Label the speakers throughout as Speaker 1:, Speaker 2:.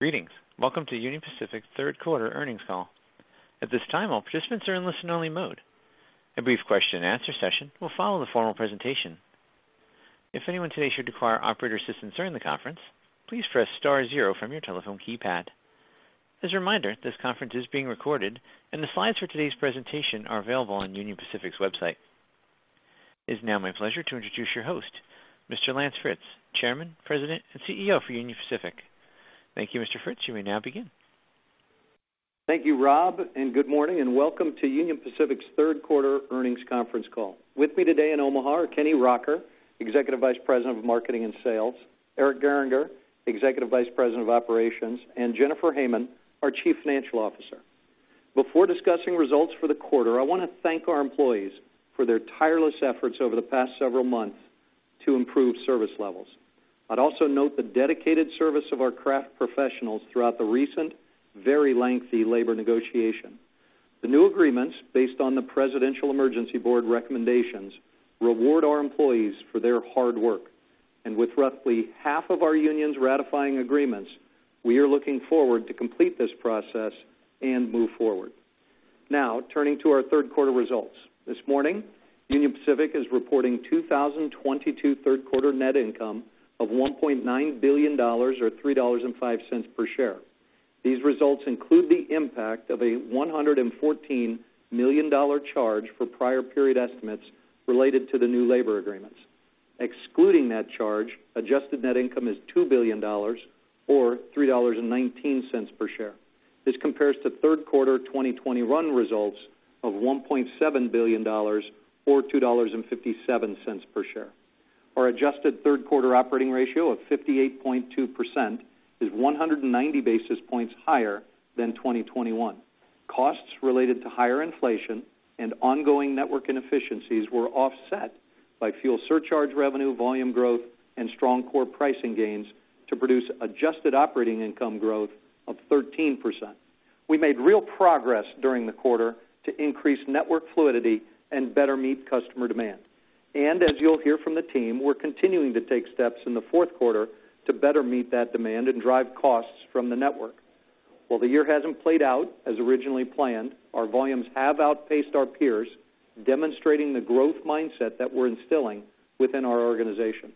Speaker 1: Greetings. Welcome to Union Pacific's third quarter earnings call. At this time, all participants are in listen-only mode. A brief question-and-answer session will follow the formal presentation. If anyone today should require operator assistance during the conference, please press star zero from your telephone keypad. As a reminder, this conference is being recorded and the slides for today's presentation are available on Union Pacific's website. It's now my pleasure to introduce your host, Mr. Lance Fritz, Chairman, President, and CEO for Union Pacific. Thank you, Mr. Fritz. You may now begin.
Speaker 2: Thank you, Rob, and good morning and welcome to Union Pacific's third quarter earnings conference call. With me today in Omaha are Kenny Rocker, Executive Vice President of Marketing and Sales, Eric Gehringer, Executive Vice President of Operations, and Jennifer Hamann, our Chief Financial Officer. Before discussing results for the quarter, I wanna thank our employees for their tireless efforts over the past several months to improve service levels. I'd also note the dedicated service of our craft professionals throughout the recent, very lengthy labor negotiation. The new agreements, based on the Presidential Emergency Board recommendations, reward our employees for their hard work. With roughly half of our unions ratifying agreements, we are looking forward to complete this process and move forward. Now, turning to our third quarter results. This morning, Union Pacific is reporting 2022 third quarter net income of $1.9 billion or $3.05 per share. These results include the impact of a $114 million charge for prior period estimates related to the new labor agreements. Excluding that charge, adjusted net income is $2 billion or $3.19 per share. This compares to third quarter 2021 results of $1.7 billion or $2.57 per share. Our adjusted third quarter operating ratio of 58.2% is 190 basis points higher than 2021. Costs related to higher inflation and ongoing network inefficiencies were offset by fuel surcharge revenue, volume growth, and strong core pricing gains to produce adjusted operating income growth of 13%. We made real progress during the quarter to increase network fluidity and better meet customer demand. As you'll hear from the team, we're continuing to take steps in the fourth quarter to better meet that demand and drive costs from the network. While the year hasn't played out as originally planned, our volumes have outpaced our peers, demonstrating the growth mindset that we're instilling within our organization.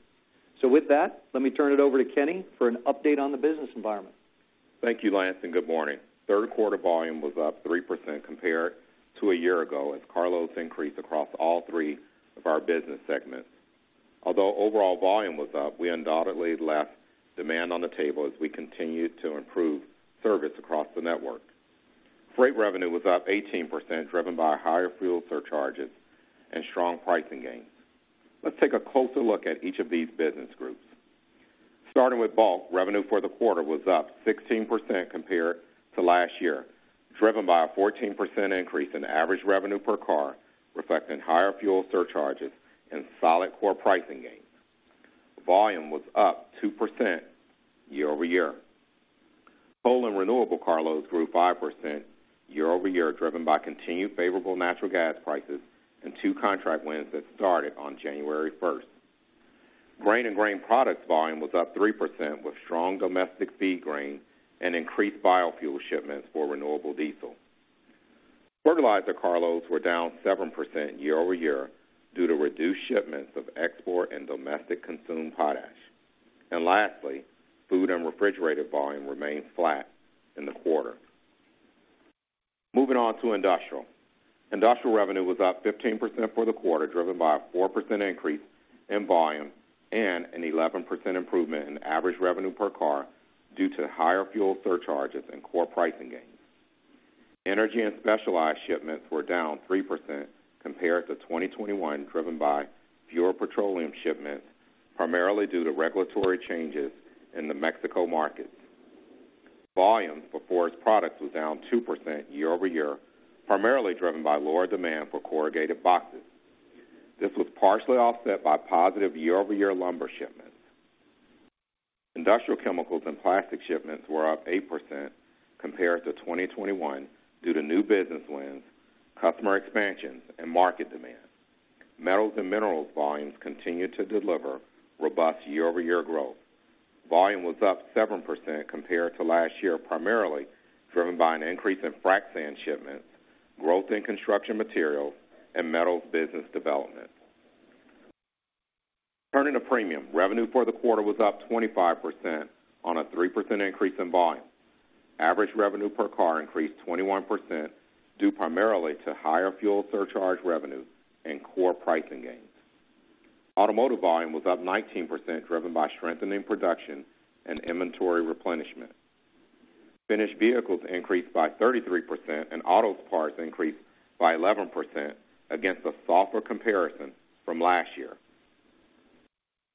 Speaker 2: With that, let me turn it over to Kenny for an update on the business environment.
Speaker 3: Thank you, Lance, and good morning. Third quarter volume was up 3% compared to a year ago as carloads increased across all three of our business segments. Although overall volume was up, we undoubtedly left demand on the table as we continued to improve service across the network. Freight revenue was up 18%, driven by higher fuel surcharges and strong pricing gains. Let's take a closer look at each of these business groups. Starting with Bulk, revenue for the quarter was up 16% compared to last year, driven by a 14% increase in average revenue per car, reflecting higher fuel surcharges and solid core pricing gains. Volume was up 2% year-over-year. Coal and renewable carloads grew 5% year-over-year, driven by continued favorable natural gas prices and two contract wins that started on January first. Grain and grain products volume was up 3% with strong domestic feed grain and increased biofuel shipments for renewable diesel. Fertilizer car loads were down 7% year-over-year due to reduced shipments of export and domestic consumed potash. Lastly, food and refrigerated volume remained flat in the quarter. Moving on to industrial. Industrial revenue was up 15% for the quarter, driven by a 4% increase in volume and an 11% improvement in average revenue per car due to higher fuel surcharges and core pricing gains. Energy and specialized shipments were down 3% compared to 2021, driven by fewer petroleum shipments, primarily due to regulatory changes in the Mexico markets. Volumes for forest products was down 2% year-over-year, primarily driven by lower demand for corrugated boxes. This was partially offset by positive year-over-year lumber shipments. Industrial chemicals and plastic shipments were up 8% compared to 2021 due to new business wins, customer expansions, and market demand. Metals and minerals volumes continued to deliver robust year-over-year growth. Volume was up 7% compared to last year, primarily driven by an increase in frac sand shipments, growth in construction materials, and metals business development. Turning to Premium, revenue for the quarter was up 25% on a 3% increase in volume. Average revenue per car increased 21%, due primarily to higher fuel surcharge revenue and core pricing gains. Automotive volume was up 19%, driven by strengthening production and inventory replenishment. Finished vehicles increased by 33% and auto parts increased by 11% against a softer comparison from last year.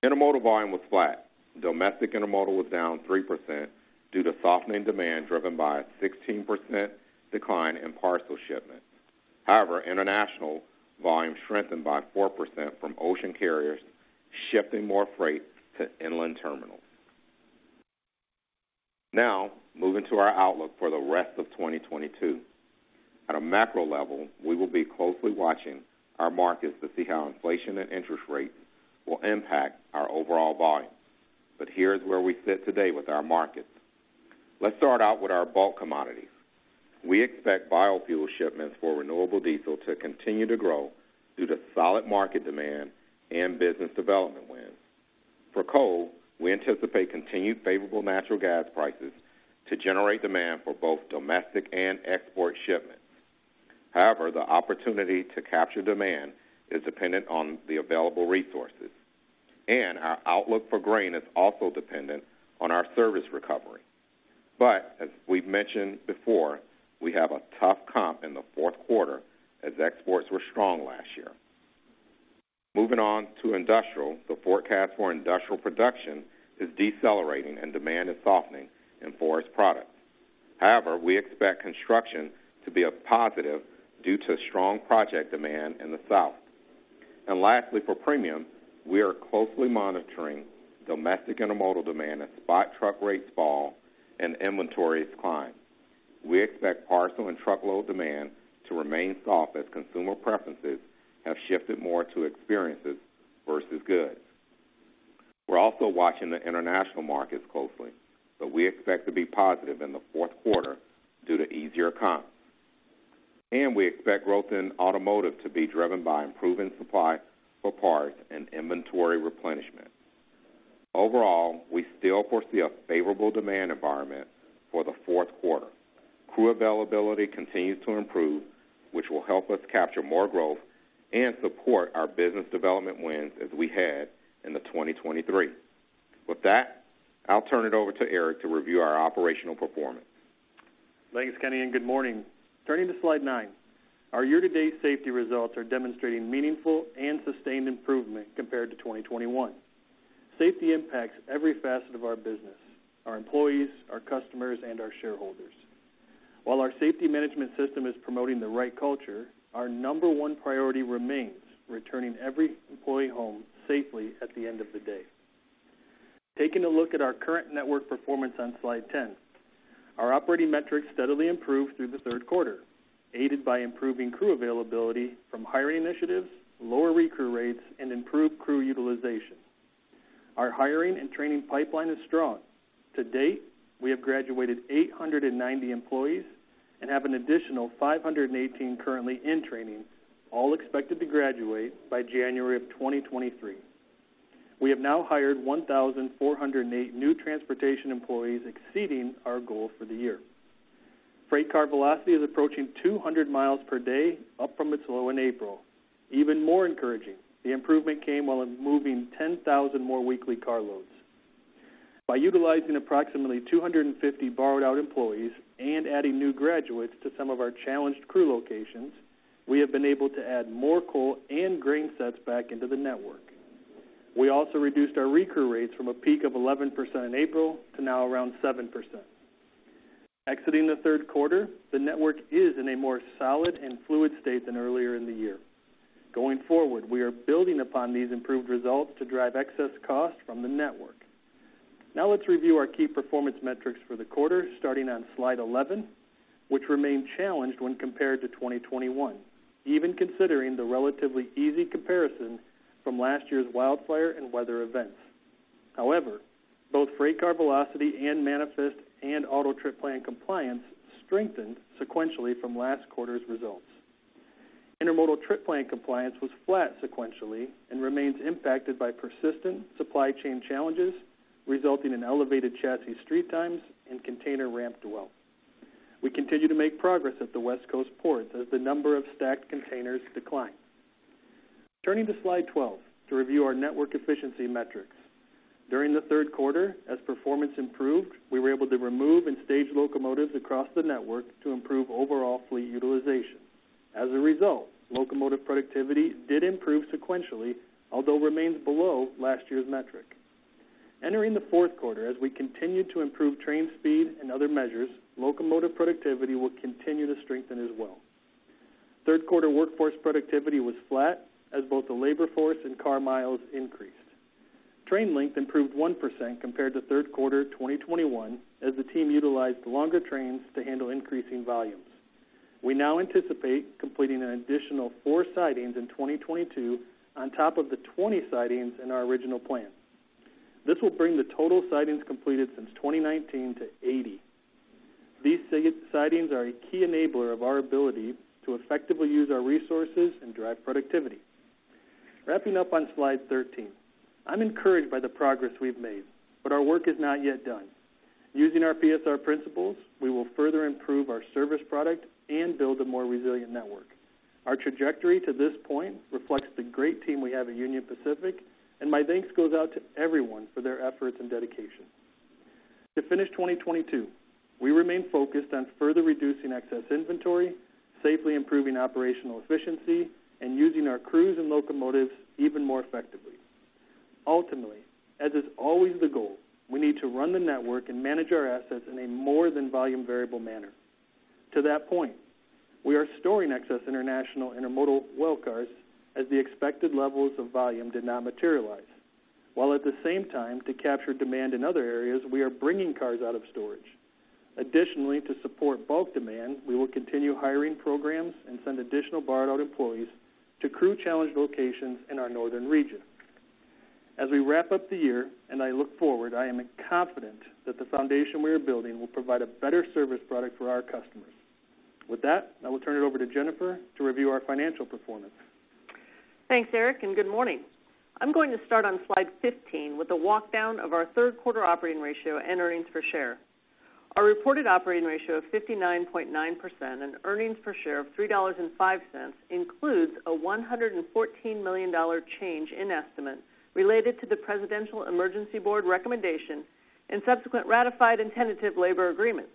Speaker 3: Intermodal volume was flat. Domestic Intermodal was down 3% due to softening demand driven by a 16% decline in parcel shipment. However, international volume strengthened by 4% from ocean carriers shipping more freight to inland terminals. Now, moving to our outlook for the rest of 2022. At a macro level, we will be closely watching our markets to see how inflation and interest rates will impact our overall volume. Here is where we sit today with our markets. Let's start out with our Bulk commodities. We expect biofuel shipments for renewable diesel to continue to grow due to solid market demand and business development wins. For coal, we anticipate continued favorable natural gas prices to generate demand for both domestic and export shipments. However, the opportunity to capture demand is dependent on the available resources, and our outlook for grain is also dependent on our service recovery. As we've mentioned before, we have a tough comp in the fourth quarter as exports were strong last year. Moving on to Industrial, the forecast for Industrial production is decelerating and demand is softening in forest products. However, we expect construction to be a positive due to strong project demand in the south. Lastly, for Premium, we are closely monitoring Domestic Intermodal demand as spot truck rates fall and inventories climb. We expect parcel and truckload demand to remain soft as consumer preferences have shifted more to experiences versus goods. We're also watching the international markets closely, but we expect to be positive in the fourth quarter due to easier comps. We expect growth in automotive to be driven by improving supply for parts and inventory replenishment. Overall, we still foresee a favorable demand environment for the fourth quarter. Crew availability continues to improve, which will help us capture more growth and support our business development wins as we had in 2023. With that, I'll turn it over to Eric to review our operational performance.
Speaker 4: Thanks, Kenny, and good morning. Turning to slide nine, our year-to-date safety results are demonstrating meaningful and sustained improvement compared to 2021. Safety impacts every facet of our business, our employees, our customers, and our shareholders. While our safety management system is promoting the right culture, our number one priority remains returning every employee home safely at the end of the day. Taking a look at our current network performance on slide 10, our operating metrics steadily improved through the third quarter, aided by improving crew availability from hiring initiatives, lower recrew rates, and improved crew utilization. Our hiring and training pipeline is strong. To date, we have graduated 890 employees and have an additional 518 currently in training, all expected to graduate by January of 2023. We have now hired 1,408 new transportation employees, exceeding our goal for the year. Freight car velocity is approaching 200 mi per day, up from its low in April. Even more encouraging, the improvement came while moving 10,000 more weekly car loads. By utilizing approximately 250 borrowed out employees and adding new graduates to some of our challenged crew locations, we have been able to add more coal and grain sets back into the network. We also reduced our recrew rates from a peak of 11% in April to now around 7%. Exiting the third quarter, the network is in a more solid and fluid state than earlier in the year. Going forward, we are building upon these improved results to drive excess cost from the network. Now let's review our key performance metrics for the quarter starting on slide 11, which remain challenged when compared to 2021, even considering the relatively easy comparison from last year's wildfire and weather events. However, both freight car velocity and manifest and auto trip plan compliance strengthened sequentially from last quarter's results. Intermodal trip plan compliance was flat sequentially and remains impacted by persistent supply chain challenges, resulting in elevated chassis street times and container ramp dwell. We continue to make progress at the West Coast ports as the number of stacked containers decline. Turning to slide 12 to review our network efficiency metrics. During the third quarter, as performance improved, we were able to remove and stage locomotives across the network to improve overall fleet utilization. As a result, locomotive productivity did improve sequentially, although remains below last year's metric. Entering the fourth quarter, as we continue to improve train speed and other measures, locomotive productivity will continue to strengthen as well. Third quarter workforce productivity was flat as both the labor force and car miles increased. Train length improved 1% compared to third quarter 2021 as the team utilized longer trains to handle increasing volumes. We now anticipate completing an additional four sidings in 2022 on top of the 20 sidings in our original plan. This will bring the total sidings completed since 2019 to 80. These sidings are a key enabler of our ability to effectively use our resources and drive productivity. Wrapping up on slide 13, I'm encouraged by the progress we've made, but our work is not yet done. Using our PSR principles, we will further improve our service product and build a more resilient network. Our trajectory to this point reflects the great team we have at Union Pacific, and my thanks goes out to everyone for their efforts and dedication. To finish 2022, we remain focused on further reducing excess inventory, safely improving operational efficiency, and using our crews and locomotives even more effectively. Ultimately, as is always the goal, we need to run the network and manage our assets in a more than volume variable manner. To that point, we are storing excess International Intermodal well cars as the expected levels of volume did not materialize. While at the same time, to capture demand in other areas, we are bringing cars out of storage. Additionally, to support Bulk demand, we will continue hiring programs and send additional borrowed out employees to crew challenged locations in our northern region. As we wrap up the year and I look forward, I am confident that the foundation we are building will provide a better service product for our customers. With that, I will turn it over to Jennifer to review our financial performance.
Speaker 5: Thanks, Eric, and good morning. I'm going to start on slide 15 with a walk down of our third quarter operating ratio and earnings per share. Our reported operating ratio of 59.9% and earnings per share of $3.05 includes a $114 million change in estimates related to the Presidential Emergency Board recommendation and subsequent ratified and tentative labor agreements.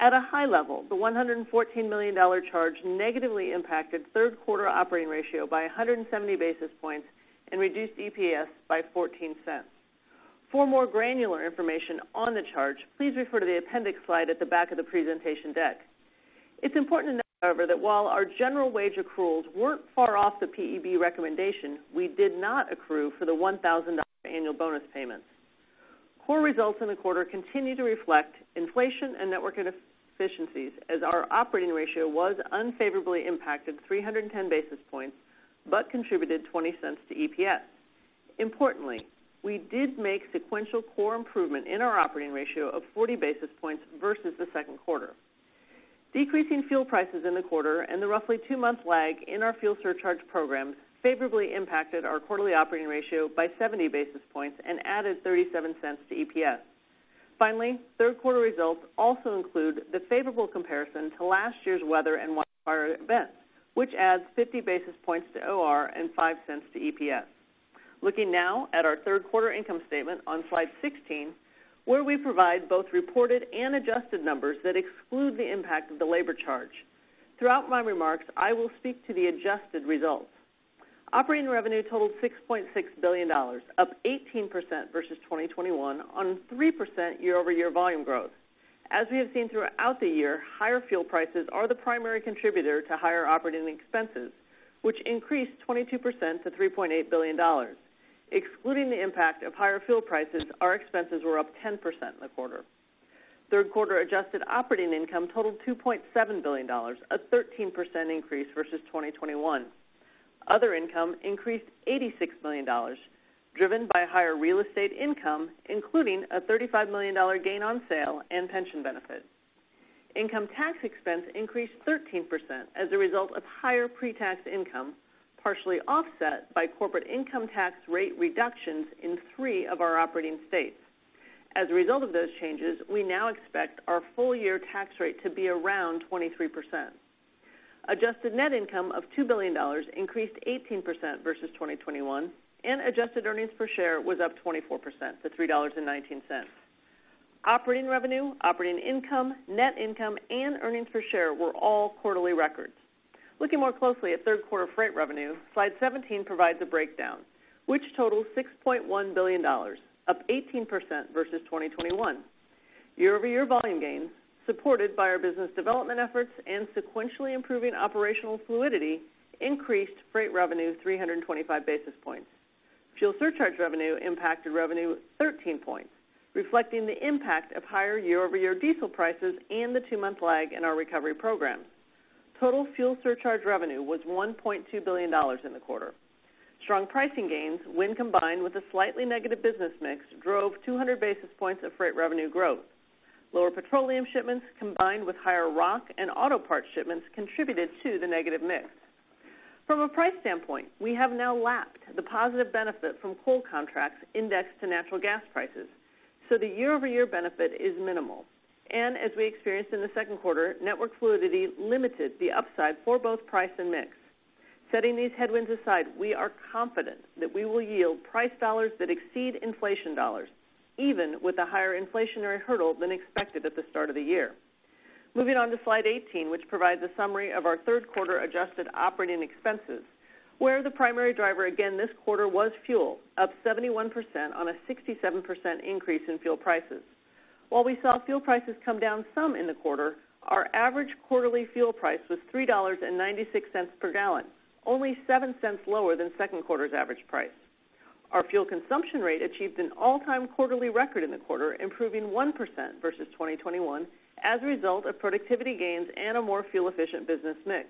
Speaker 5: At a high level, the $114 million charge negatively impacted third quarter operating ratio by 170 basis points and reduced EPS by $0.14. For more granular information on the charge, please refer to the appendix slide at the back of the presentation deck. It's important to note, however, that while our general wage accruals weren't far off the PEB recommendation, we did not accrue for the $1,000 annual bonus payments. Core results in the quarter continue to reflect inflation and network inefficiencies, as our operating ratio was unfavorably impacted 310 basis points, but contributed $0.20 to EPS. Importantly, we did make sequential core improvement in our operating ratio of 40 basis points versus the second quarter. Decreasing fuel prices in the quarter and the roughly two-month lag in our fuel surcharge programs favorably impacted our quarterly operating ratio by 70 basis points and added $0.37 to EPS. Finally, third quarter results also include the favorable comparison to last year's weather and wildfire events, which adds 50 basis points to OR and $0.05 to EPS. Looking now at our third quarter income statement on slide 16, where we provide both reported and adjusted numbers that exclude the impact of the labor charge. Throughout my remarks, I will speak to the adjusted results. Operating revenue totaled $6.6 billion, up 18% versus 2021 on 3% year-over-year volume growth. Higher fuel prices are the primary contributor to higher operating expenses, which increased 22% to $3.8 billion. Excluding the impact of higher fuel prices, our expenses were up 10% in the quarter. Third quarter adjusted operating income totaled $2.7 billion, a 13% increase versus 2021. Other income increased $86 million, driven by higher real estate income, including a $35 million gain on sale and pension benefits. Income tax expense increased 13% as a result of higher pre-tax income, partially offset by corporate income tax rate reductions in three of our operating states. As a result of those changes, we now expect our full year tax rate to be around 23%. Adjusted net income of $2 billion increased 18% versus 2021, and adjusted earnings per share was up 24% to $3.19. Operating revenue, operating income, net income, and earnings per share were all quarterly records. Looking more closely at third quarter freight revenue, slide 17 provides a breakdown which totals $6.1 billion, up 18% versus 2021. Year-over-year volume gains, supported by our business development efforts and sequentially improving operational fluidity, increased freight revenue 325 basis points. Fuel surcharge revenue impacted revenue 13 points, reflecting the impact of higher year-over-year diesel prices and the two-month lag in our recovery program. Total fuel surcharge revenue was $1.2 billion in the quarter. Strong pricing gains, when combined with a slightly negative business mix, drove 200 basis points of freight revenue growth. Lower petroleum shipments, combined with higher rock and auto parts shipments, contributed to the negative mix. From a price standpoint, we have now lapped the positive benefit from coal contracts indexed to natural gas prices, so the year-over-year benefit is minimal. As we experienced in the second quarter, network fluidity limited the upside for both price and mix. Setting these headwinds aside, we are confident that we will yield price dollars that exceed inflation dollars, even with a higher inflationary hurdle than expected at the start of the year. Moving on to slide 18, which provides a summary of our third quarter adjusted operating expenses, where the primary driver again this quarter was fuel, up 71% on a 67% increase in fuel prices. While we saw fuel prices come down some in the quarter, our average quarterly fuel price was $3.96 per gallon, only $0.07 lower than second quarter's average price. Our fuel consumption rate achieved an all-time quarterly record in the quarter, improving 1% versus 2021 as a result of productivity gains and a more fuel efficient business mix.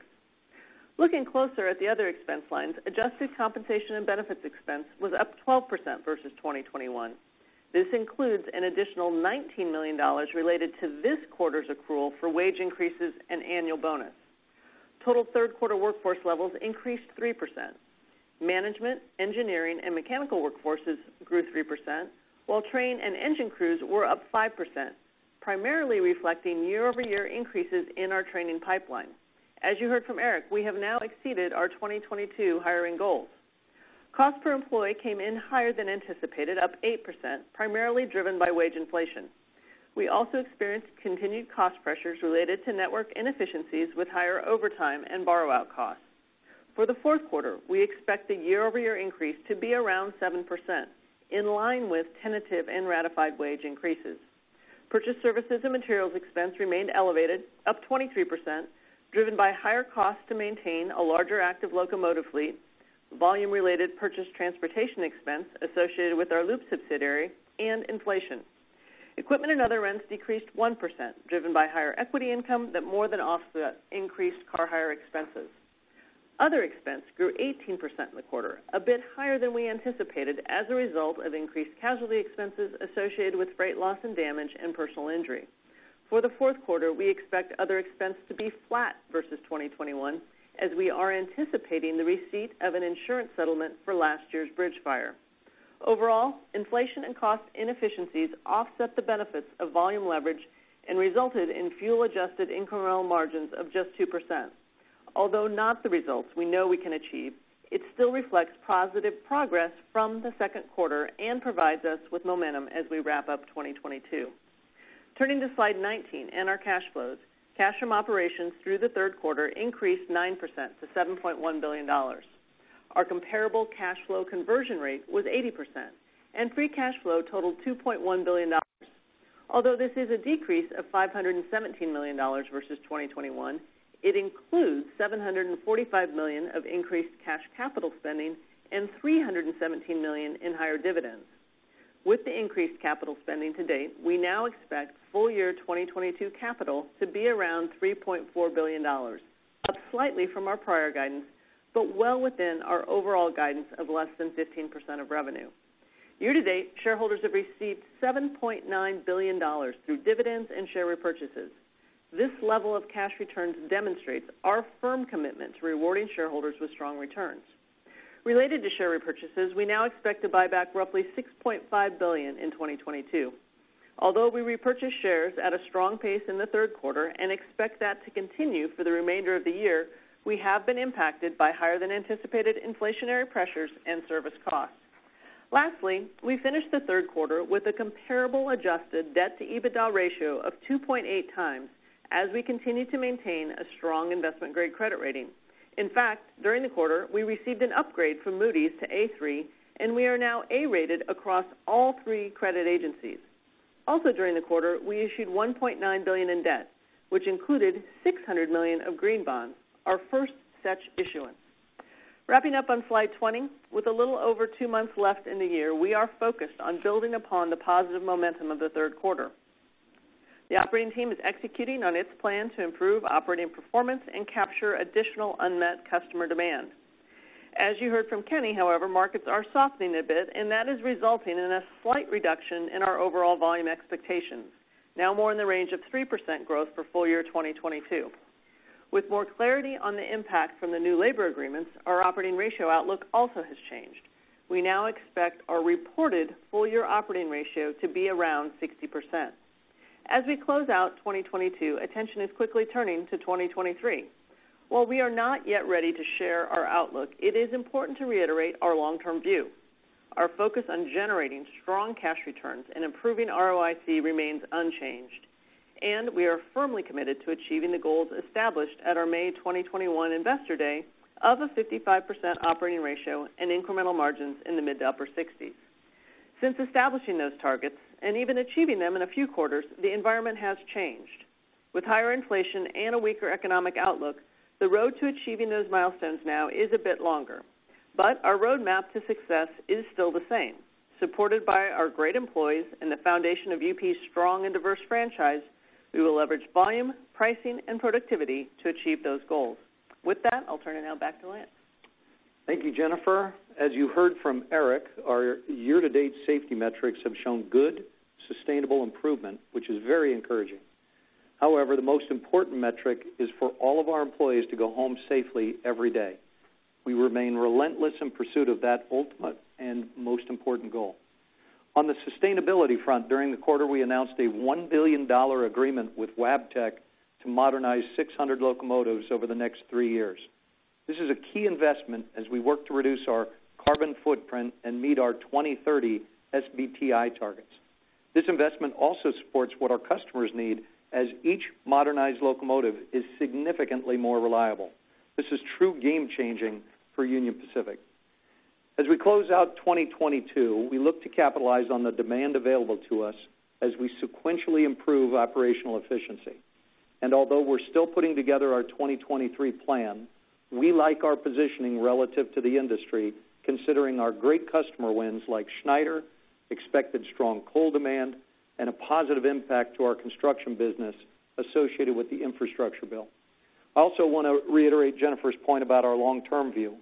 Speaker 5: Looking closer at the other expense lines, adjusted compensation and benefits expense was up 12% versus 2021. This includes an additional $19 million related to this quarter's accrual for wage increases and annual bonus. Total third quarter workforce levels increased 3%. Management, engineering, and mechanical workforces grew 3%, while train and engine crews were up 5%, primarily reflecting year-over-year increases in our training pipeline. As you heard from Eric, we have now exceeded our 2022 hiring goals. Cost per employee came in higher than anticipated, up 8%, primarily driven by wage inflation. We also experienced continued cost pressures related to network inefficiencies with higher overtime and borrow out costs. For the fourth quarter, we expect the year-over-year increase to be around 7%, in line with tentative and ratified wage increases. Purchased services and materials expense remained elevated, up 23%, driven by higher costs to maintain a larger active locomotive fleet, volume-related purchase transportation expense associated with our Loup subsidiary, and inflation. Equipment and other rents decreased 1%, driven by higher equity income that more than offset increased car hire expenses. Other expense grew 18% in the quarter, a bit higher than we anticipated as a result of increased casualty expenses associated with freight loss and damage and personal injury. For the fourth quarter, we expect other expense to be flat versus 2021, as we are anticipating the receipt of an insurance settlement for last year's bridge fire. Overall, inflation and cost inefficiencies offset the benefits of volume leverage and resulted in fuel-adjusted incremental margins of just 2%. Although not the results we know we can achieve, it still reflects positive progress from the second quarter and provides us with momentum as we wrap up 2022. Turning to slide 19 and our cash flows. Cash from operations through the third quarter increased 9% to $7.1 billion. Our comparable cash flow conversion rate was 80%, and free cash flow totaled $2.1 billion. Although this is a decrease of $517 million versus 2021, it includes $745 million of increased cash capital spending and $317 million in higher dividends. With the increased capital spending to date, we now expect full year 2022 capital to be around $3.4 billion, up slightly from our prior guidance, but well within our overall guidance of less than 15% of revenue. Year-to-date, shareholders have received $7.9 billion through dividends and share repurchases. This level of cash returns demonstrates our firm commitment to rewarding shareholders with strong returns. Related to share repurchases, we now expect to buy back roughly $6.5 billion in 2022. Although we repurchased shares at a strong pace in the third quarter and expect that to continue for the remainder of the year, we have been impacted by higher than anticipated inflationary pressures and service costs. Lastly, we finished the third quarter with a comparable adjusted debt-to-EBITDA ratio of 2.8 times as we continue to maintain a strong investment-grade credit rating. In fact, during the quarter, we received an upgrade from Moody's to A3, and we are now A-rated across all three credit agencies. Also during the quarter, we issued $1 billion in debt, which included $600 million of green bonds, our first such issuance. Wrapping up on slide 20, with a little over two months left in the year, we are focused on building upon the positive momentum of the third quarter. The operating team is executing on its plan to improve operating performance and capture additional unmet customer demand. As you heard from Kenny, however, markets are softening a bit, and that is resulting in a slight reduction in our overall volume expectations, now more in the range of 3% growth for full year 2022. With more clarity on the impact from the new labor agreements, our operating ratio outlook also has changed. We now expect our reported full year operating ratio to be around 60%. As we close out 2022, attention is quickly turning to 2023. While we are not yet ready to share our outlook, it is important to reiterate our long-term view. Our focus on generating strong cash returns and improving ROIC remains unchanged, and we are firmly committed to achieving the goals established at our May 2021 Investor Day of a 55% operating ratio and incremental margins in the mid- to upper 60s. Since establishing those targets and even achieving them in a few quarters, the environment has changed. With higher inflation and a weaker economic outlook, the road to achieving those milestones now is a bit longer. Our roadmap to success is still the same. Supported by our great employees and the foundation of UP's strong and diverse franchise, we will leverage volume, pricing, and productivity to achieve those goals. With that, I'll turn it now back to Lance.
Speaker 2: Thank you, Jennifer. As you heard from Eric, our year-to-date safety metrics have shown good, sustainable improvement, which is very encouraging. However, the most important metric is for all of our employees to go home safely every day. We remain relentless in pursuit of that ultimate and most important goal. On the sustainability front, during the quarter, we announced a $1 billion agreement with Wabtec to modernize 600 locomotives over the next three years. This is a key investment as we work to reduce our carbon footprint and meet our 2030 SBTI targets. This investment also supports what our customers need as each modernized locomotive is significantly more reliable. This is true game changing for Union Pacific. As we close out 2022, we look to capitalize on the demand available to us as we sequentially improve operational efficiency. Although we're still putting together our 2023 plan, we like our positioning relative to the industry, considering our great customer wins like Schneider, expected strong coal demand, and a positive impact to our construction business associated with the infrastructure bill. I also wanna reiterate Jennifer's point about our long-term view.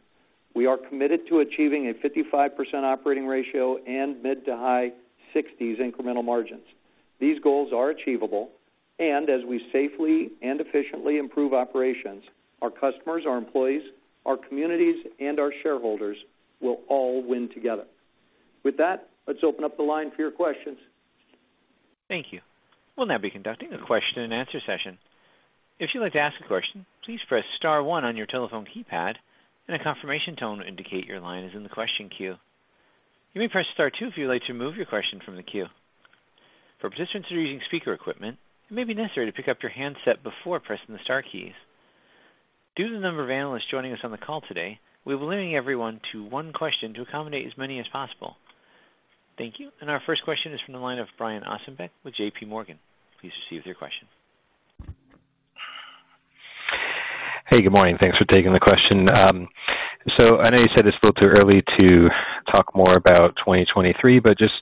Speaker 2: We are committed to achieving a 55% operating ratio and mid- to high-60s incremental margins. These goals are achievable, and as we safely and efficiently improve operations, our customers, our employees, our communities, and our shareholders will all win together. With that, let's open up the line for your questions.
Speaker 1: Thank you. We'll now be conducting a question and answer session. If you'd like to ask a question, please press star one on your telephone keypad, and a confirmation tone will indicate your line is in the question queue. You may press star two if you'd like to remove your question from the queue. For participants who are using speaker equipment, it may be necessary to pick up your handset before pressing the star keys. Due to the number of analysts joining us on the call today, we're limiting everyone to one question to accommodate as many as possible. Thank you. Our first question is from the line of Brian Ossenbeck with J.P. Morgan. Please proceed with your question.
Speaker 6: Hey, good morning. Thanks for taking the question. So I know you said it's still too early to talk more about 2023, but just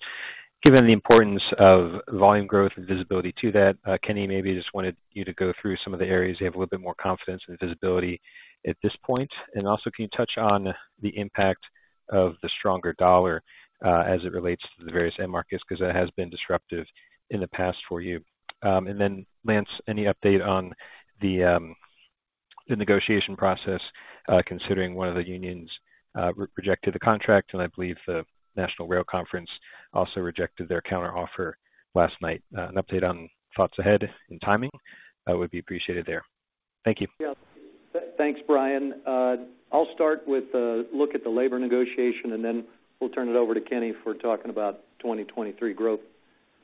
Speaker 6: given the importance of volume growth and visibility to that, Kenny, maybe I just wanted you to go through some of the areas you have a little bit more confidence and visibility at this point. Also, can you touch on the impact of the stronger dollar as it relates to the various end markets because that has been disruptive in the past for you. And then Lance, any update on the negotiation process considering one of the unions rejected the contract, and I believe the National Carriers' Conference Committee also rejected their counteroffer last night. An update on thoughts ahead and timing would be appreciated there. Thank you.
Speaker 2: Yeah. Thanks, Brian. I'll start with the look at the labor negotiation, and then we'll turn it over to Kenny for talking about 2023 growth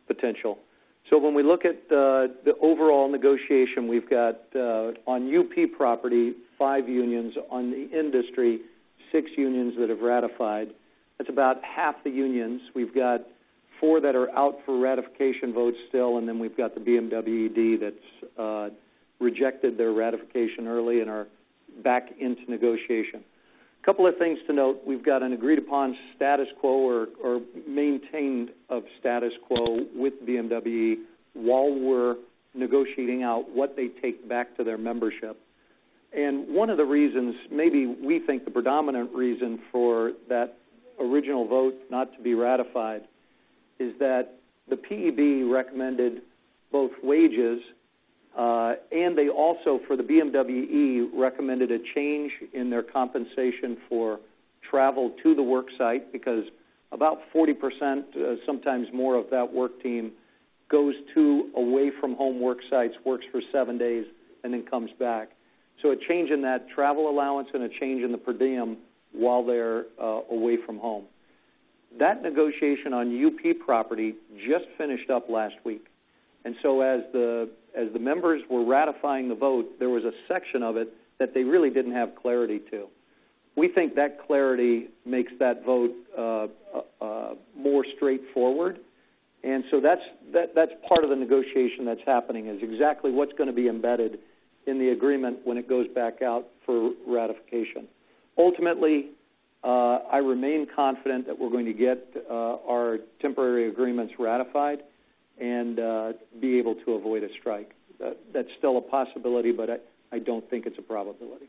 Speaker 2: potential. When we look at the overall negotiation, we've got on UP property five unions in the industry six unions that have ratified. That's about half the unions. We've got four that are out for ratification votes still, and then we've got the BMWED that's rejected their ratification early and are back in negotiation. A couple of things to note. We've got an agreed-upon status quo or maintenance of status quo with BMWE while we're negotiating out what they take back to their membership. One of the reasons, maybe we think the predominant reason for that original vote not to be ratified is that the PEB recommended both wages, and they also, for the BMWE, recommended a change in their compensation for travel to the work site because about 40%, sometimes more of that work team goes to away from home work sites, works for seven days, and then comes back. A change in that travel allowance and a change in the per diem while they're away from home. That negotiation on UP property just finished up last week. As the members were ratifying the vote, there was a section of it that they really didn't have clarity to. We think that clarity makes that vote more straightforward. That's part of the negotiation that's happening is exactly what's gonna be embedded in the agreement when it goes back out for ratification. Ultimately, I remain confident that we're going to get our temporary agreements ratified and be able to avoid a strike. That's still a possibility, but I don't think it's a probability.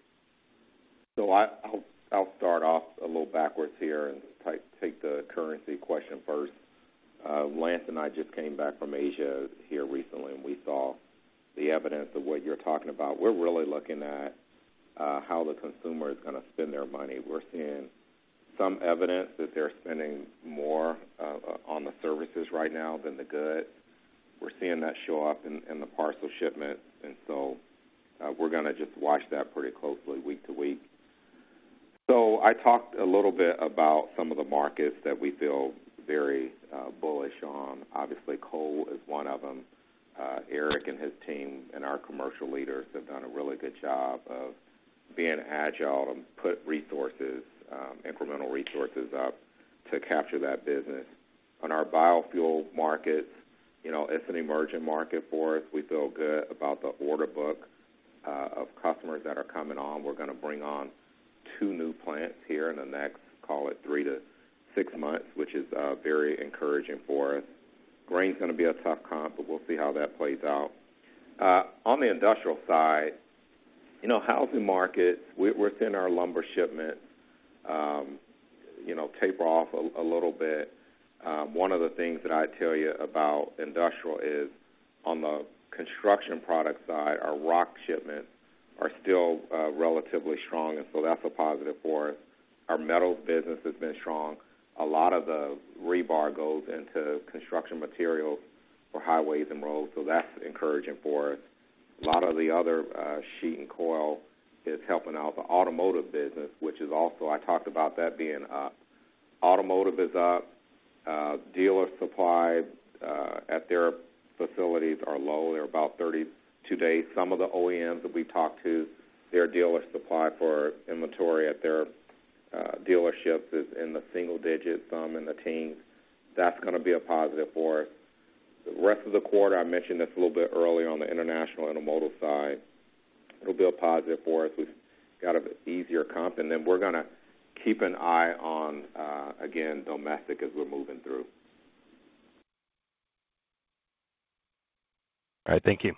Speaker 3: I'll start off a little backwards here and take the currency question first. Lance and I just came back from Asia here recently, and we saw the evidence of what you're talking about. We're really looking at how the consumer is gonna spend their money. We're seeing some evidence that they're spending more on the services right now than the goods. We're seeing that show up in the parcel shipment. We're gonna just watch that pretty closely week to week. I talked a little bit about some of the markets that we feel very bullish on. Obviously, coal is one of them. Eric and his team and our commercial leaders have done a really good job of being agile and put incremental resources up to capture that business. On our biofuel markets, you know, it's an emerging market for us. We feel good about the order book of customers that are coming on. We're gonna bring on two new plants here in the next, call it three to six months, which is very encouraging for us. Grain is gonna be a tough comp, but we'll see how that plays out. On the Industrial side, you know, housing markets, we're seeing our lumber shipments, you know, taper off a little bit. One of the things that I tell you about Industrial is on the construction product side, our rock shipments are still relatively strong, and so that's a positive for us. Our metals business has been strong. A lot of the rebar goes into construction materials for highways and roads, so that's encouraging for us. A lot of the other sheet and coil is helping out the automotive business, which is also. I talked about that being up. Automotive is up. Dealer supply at their facilities are low. They're about 32 days. Some of the OEMs that we talk to, their dealer supply for inventory at their dealerships is in the single digits, some in the teens. That's gonna be a positive for us. The rest of the quarter, I mentioned this a little bit early on the International Intermodal side. It'll be a positive for us. We've got an easier comp, and then we're gonna keep an eye on again domestic as we're moving through.
Speaker 6: All right. Thank you.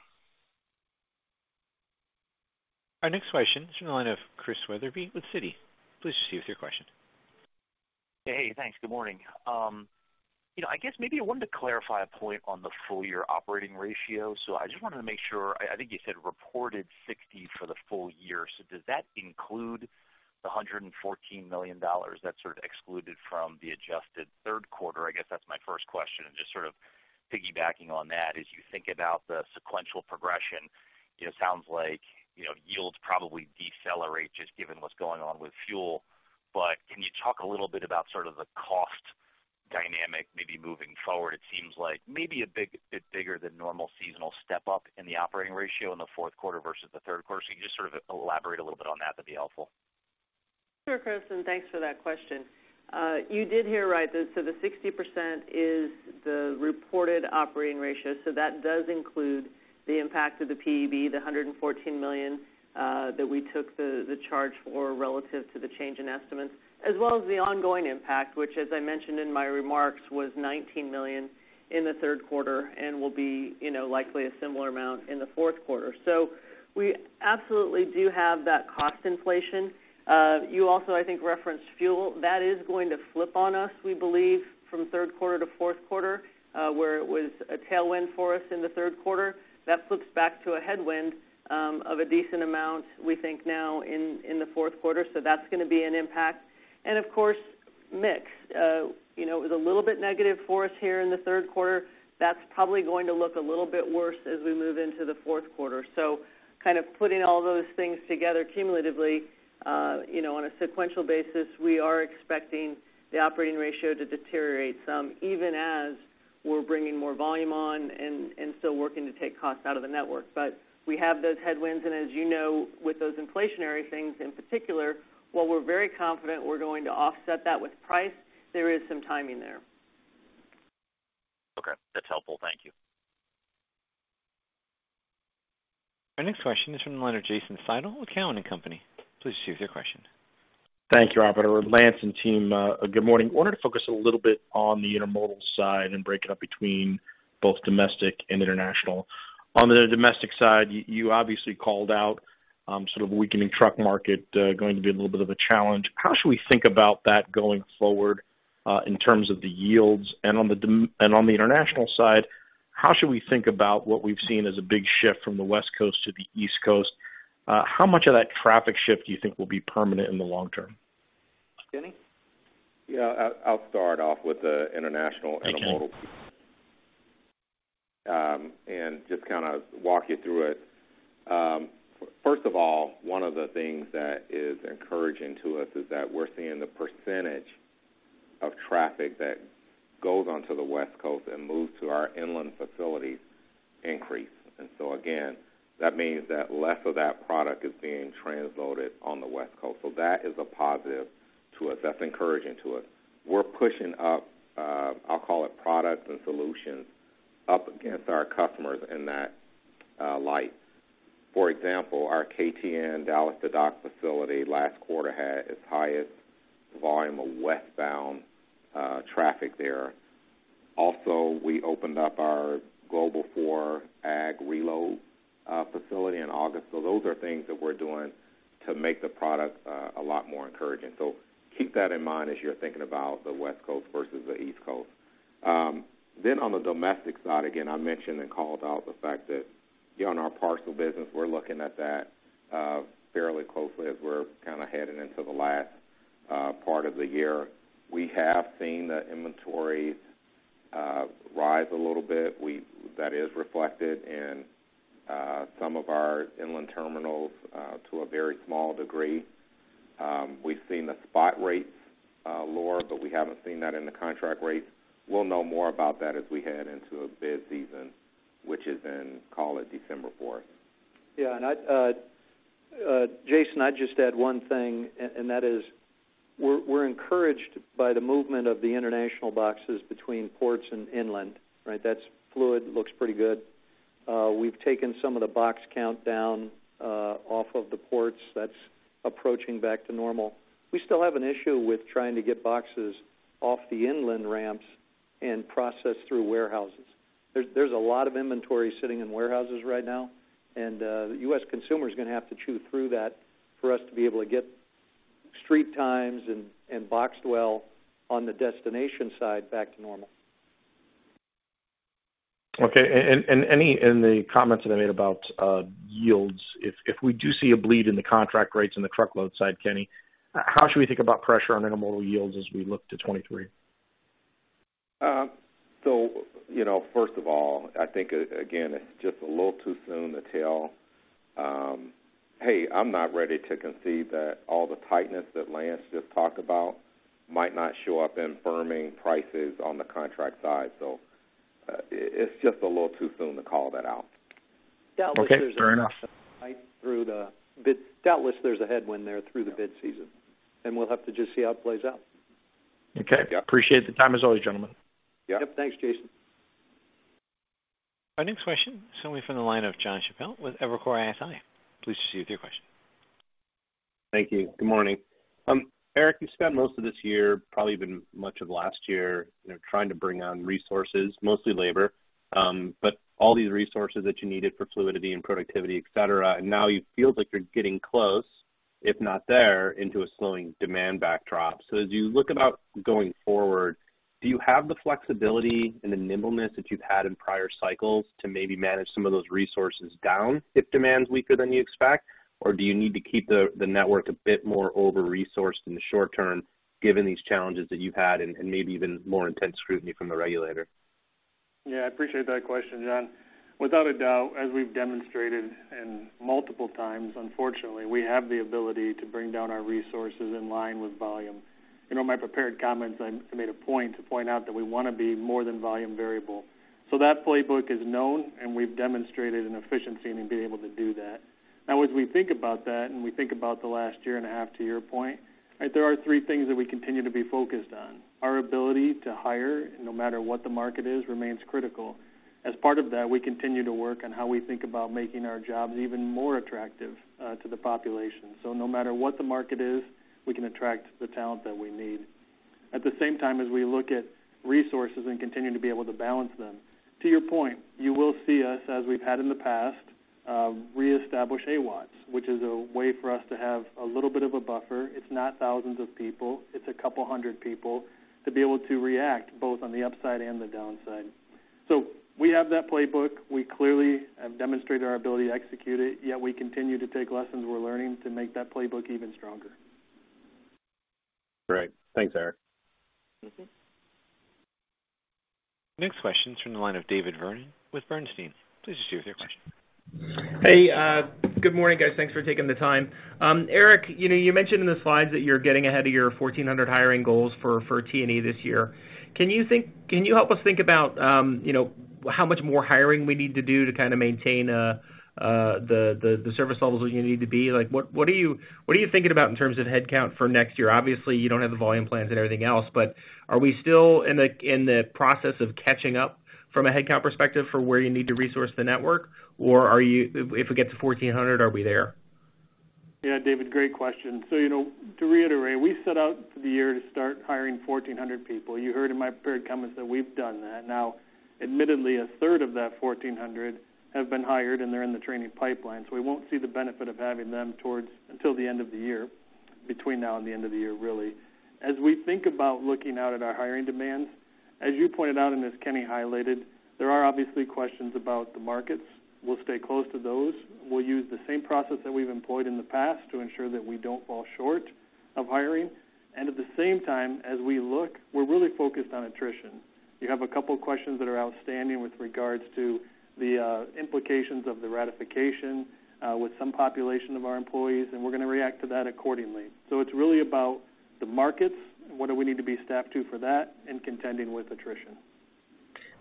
Speaker 1: Our next question is from the line of Chris Wetherbee with Citi. Please proceed with your question.
Speaker 7: Hey. Thanks. Good morning. You know, I guess maybe I wanted to clarify a point on the full year operating ratio. I just wanted to make sure. I think you said reported 60% for the full year. Does that include the $114 million that's sort of excluded from the adjusted third quarter? I guess that's my first question. Just sort of piggybacking on that, as you think about the sequential progression, it sounds like, you know, yields probably decelerate just given what's going on with fuel. But can you talk a little bit about sort of the cost- -Dynamic maybe moving forward, it seems like maybe a bit bigger than normal seasonal step up in the operating ratio in the fourth quarter versus the third quarter. You just sort of elaborate a little bit on that'd be helpful.
Speaker 5: Sure, Chris, thanks for that question. You did hear right. The 60% is the reported operating ratio. That does include the impact of the PEB, the $114 million that we took the charge for relative to the change in estimates, as well as the ongoing impact, which, as I mentioned in my remarks, was $19 million in the third quarter and will be, you know, likely a similar amount in the fourth quarter. We absolutely do have that cost inflation. You also, I think, referenced fuel. That is going to flip on us, we believe, from third quarter to fourth quarter, where it was a tailwind for us in the third quarter. That flips back to a headwind of a decent amount, we think in the fourth quarter. That's gonna be an impact. Of course, mix. You know, it was a little bit negative for us here in the third quarter. That's probably going to look a little bit worse as we move into the fourth quarter. Kind of putting all those things together cumulatively, you know, on a sequential basis, we are expecting the operating ratio to deteriorate some, even as we're bringing more volume on and still working to take costs out of the network. We have those headwinds, and as you know, with those inflationary things in particular, while we're very confident we're going to offset that with price, there is some timing there.
Speaker 7: Okay. That's helpful. Thank you.
Speaker 1: Our next question is from the line of Jason Seidl with Cowen and Company. Please proceed with your question.
Speaker 8: Thank you, operator. Lance and team, good morning. Wanted to focus a little bit on the intermodal side and break it up between both domestic and international. On the domestic side, you obviously called out sort of a weakening truck market going to be a little bit of a challenge. How should we think about that going forward in terms of the yields? On the international side, how should we think about what we've seen as a big shift from the West Coast to the East Coast? How much of that traffic shift do you think will be permanent in the long term?
Speaker 2: Kenny?
Speaker 3: Yeah. I'll start off with the International Intermodal.
Speaker 8: Thank you.
Speaker 3: Just kinda walk you through it. First of all, one of the things that is encouraging to us is that we're seeing the percentage of traffic that goes onto the West Coast and moves to our inland facilities increase. Again, that means that less of that product is being transloaded on the West Coast. That is a positive to us. That's encouraging to us. We're pushing up, I'll call it products and solutions, up against our customers in that light. For example, our KTN Dallas Logistics Terminal last quarter had its highest volume of westbound traffic there. Also, we opened up our Global IV ag reload facility in August. Those are things that we're doing to make the product a lot more encouraging. Keep that in mind as you're thinking about the West Coast versus the East Coast. Then on the domestic side, again, I mentioned and called out the fact that on our parcel business, we're looking at that fairly closely as we're kinda heading into the last part of the year. We have seen the inventories rise a little bit. That is reflected in some of our inland terminals to a very small degree. We've seen the spot rates lower, but we haven't seen that in the contract rates. We'll know more about that as we head into a bid season, which is in, call it December fourth.
Speaker 2: Yeah. Jason, I'd just add one thing, that is we're encouraged by the movement of the international boxes between ports and inland, right? That's fluid, looks pretty good. We've taken some of the box count down off of the ports. That's approaching back to normal. We still have an issue with trying to get boxes off the inland ramps and process through warehouses. There's a lot of inventory sitting in warehouses right now, and the U.S. consumer is gonna have to chew through that for us to be able to get street times and boxed well on the destination side back to normal.
Speaker 8: Any of the comments that I made about yields, if we do see a bleed in the contract rates in the truckload side, Kenny, how should we think about pressure on intermodal yields as we look to 2023?
Speaker 3: You know, first of all, I think again, it's just a little too soon to tell. Hey, I'm not ready to concede that all the tightness that Lance just talked about might not show up in firming prices on the contract side. It's just a little too soon to call that out.
Speaker 8: Okay. Fair enough.
Speaker 2: Doubtless there's a headwind there through the bid season, and we'll have to just see how it plays out.
Speaker 8: Okay. Appreciate the time as always, gentlemen.
Speaker 2: Yep. Thanks, Jason.
Speaker 1: Our next question is coming from the line of Jon Chappell with Evercore ISI. Please proceed with your question.
Speaker 9: Thank you. Good morning. Eric, you've spent most of this year, probably even much of last year, you know, trying to bring on resources, mostly labor, but all these resources that you needed for fluidity and productivity, et cetera. Now you feel like you're getting close, if not there, into a slowing demand backdrop. As you look about going forward, do you have the flexibility and the nimbleness that you've had in prior cycles to maybe manage some of those resources down if demand's weaker than you expect? Or do you need to keep the network a bit more over-resourced in the short term given these challenges that you had and maybe even more intense scrutiny from the regulator?
Speaker 4: Yeah, I appreciate that question, Jon. Without a doubt, as we've demonstrated and multiple times, unfortunately, we have the ability to bring down our resources in line with volume. You know, in my prepared comments, I made a point to point out that we wanna be more than volume variable. That playbook is known, and we've demonstrated an efficiency in being able to do that. Now, as we think about that, and we think about the last year and a half to your point, right, there are three things that we continue to be focused on. Our ability to hire, no matter what the market is, remains critical. As part of that, we continue to work on how we think about making our jobs even more attractive, to the population. No matter what the market is, we can attract the talent that we need. At the same time, as we look at resources and continuing to be able to balance them, to your point, you will see us, as we've had in the past, reestablish AWATS, which is a way for us to have a little bit of a buffer. It's not thousands of people. It's a couple hundred people to be able to react both on the upside and the downside. We have that playbook. We clearly have demonstrated our ability to execute it, yet we continue to take lessons we're learning to make that playbook even stronger.
Speaker 9: Great. Thanks, Eric.
Speaker 1: Next question's from the line of David Vernon with Bernstein. Please proceed with your question.
Speaker 10: Hey, good morning, guys. Thanks for taking the time. Eric, you know, you mentioned in the slides that you're getting ahead of your 1,400 hiring goals for T&E this year. Can you help us think about, you know, how much more hiring we need to do to kind of maintain the service levels where you need to be? Like, what are you thinking about in terms of headcount for next year? Obviously, you don't have the volume plans and everything else, but are we still in the process of catching up from a headcount perspective for where you need to resource the network? Or, if we get to 1,400, are we there?
Speaker 4: Yeah, David, great question. You know, to reiterate, we set out for the year to start hiring 1,400 people. You heard in my prepared comments that we've done that. Now, admittedly, a third of that 1,400 have been hired, and they're in the training pipeline, so we won't see the benefit of having them until the end of the year, between now and the end of the year, really. As we think about looking out at our hiring demands, as you pointed out and as Kenny highlighted, there are obviously questions about the markets. We'll stay close to those. We'll use the same process that we've employed in the past to ensure that we don't fall short of hiring. At the same time, as we look, we're really focused on attrition. You have a couple questions that are outstanding with regards to the implications of the ratification with some population of our employees, and we're gonna react to that accordingly. It's really about the markets, what do we need to be staffed to for that, and contending with attrition.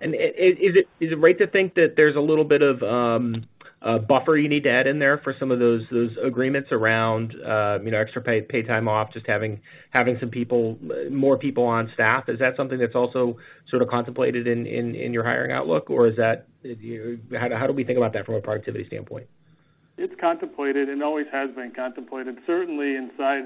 Speaker 10: Is it right to think that there's a little bit of buffer you need to add in there for some of those agreements around, you know, extra paid time off, just having some people, more people on staff? Is that something that's also sort of contemplated in your hiring outlook? Or is that, you know? How do we think about that from a productivity standpoint?
Speaker 4: It's contemplated and always has been contemplated. Certainly inside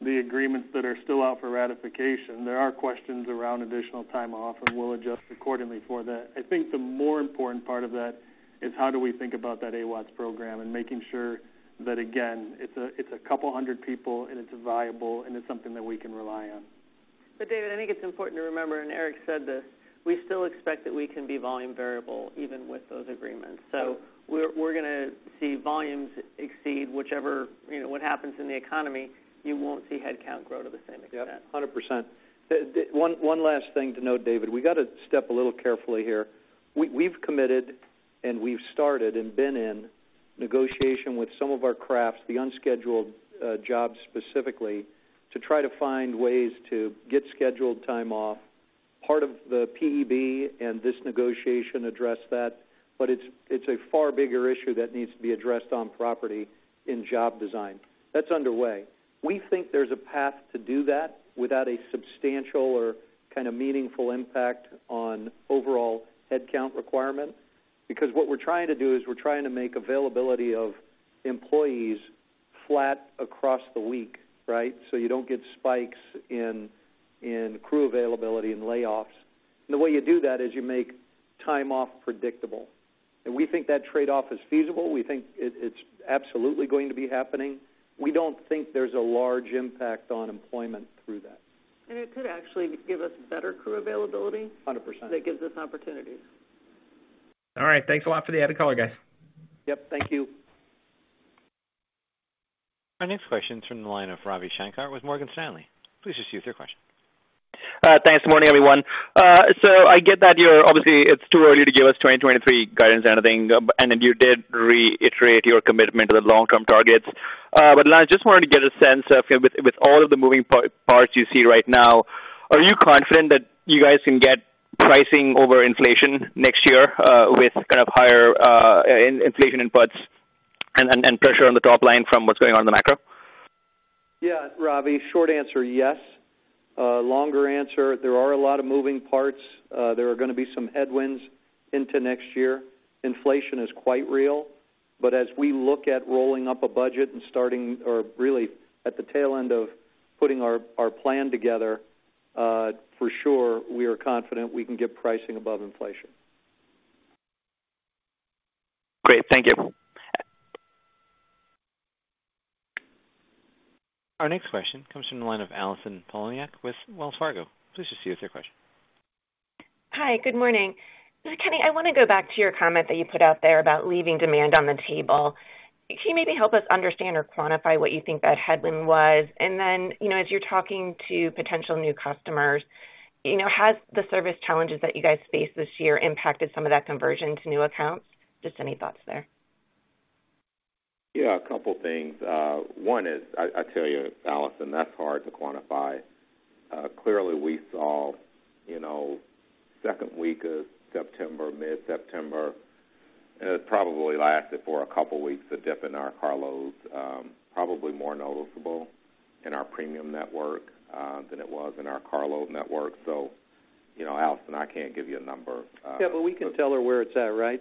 Speaker 4: the agreements that are still out for ratification, there are questions around additional time off, and we'll adjust accordingly for that. I think the more important part of that is how do we think about that AWATS program and making sure that, again, it's a couple hundred people, and it's viable, and it's something that we can rely on.
Speaker 5: David, I think it's important to remember, and Eric said this, we still expect that we can be volume variable even with those agreements. We're gonna see volumes exceed whichever, you know, what happens in the economy, you won't see headcount grow to the same extent.
Speaker 2: Yep, 100%. The one last thing to note, David, we gotta step a little carefully here. We've committed, and we've started and been in negotiation with some of our crafts, the unscheduled jobs specifically, to try to find ways to get scheduled time off. Part of the PEB and this negotiation address that, but it's a far bigger issue that needs to be addressed on property in job design. That's underway. We think there's a path to do that without a substantial or kind of meaningful impact on overall headcount requirement. Because what we're trying to do is we're trying to make availability of employees flat across the week, right? So you don't get spikes in crew availability and layoffs. The way you do that is you make time off predictable. We think that trade-off is feasible. We think it's absolutely going to be happening. We don't think there's a large impact on employment through that.
Speaker 5: It could actually give us better crew availability-
Speaker 2: 100%.
Speaker 5: -that gives us opportunities.
Speaker 10: All right. Thanks a lot for the added color, guys.
Speaker 2: Yep, thank you.
Speaker 1: Our next question's from the line of Ravi Shanker with Morgan Stanley. Please proceed with your question.
Speaker 11: Thanks. Good morning, everyone. So I get that you're obviously it's too early to give us 2023 guidance or anything, but you did reiterate your commitment to the long-term targets. I just wanted to get a sense of with all of the moving parts you see right now, are you confident that you guys can get pricing over inflation next year, with kind of higher inflation inputs and pressure on the top line from what's going on in the macro?
Speaker 2: Yeah, Ravi. Short answer, yes. Longer answer, there are a lot of moving parts. There are gonna be some headwinds into next year. Inflation is quite real. As we look at rolling up a budget and starting or really at the tail end of putting our plan together, for sure, we are confident we can get pricing above inflation.
Speaker 11: Great. Thank you.
Speaker 1: Our next question comes from the line of Allison Poliniak with Wells Fargo. Please proceed with your question.
Speaker 12: Hi, good morning. Kenny, I wanna go back to your comment that you put out there about leaving demand on the table. Can you maybe help us understand or quantify what you think that headwind was? You know, as you're talking to potential new customers, you know, has the service challenges that you guys faced this year impacted some of that conversion to new accounts? Just any thoughts there.
Speaker 3: Yeah, a couple things. One is, I tell you, Allison, that's hard to quantify. Clearly, we saw, you know, second week of September, mid-September, and it probably lasted for a couple weeks, the dip in our carloads, probably more noticeable in our Premium network than it was in our carload network. You know, Allison, I can't give you a number.
Speaker 2: Yeah, we can tell her where it's at, right?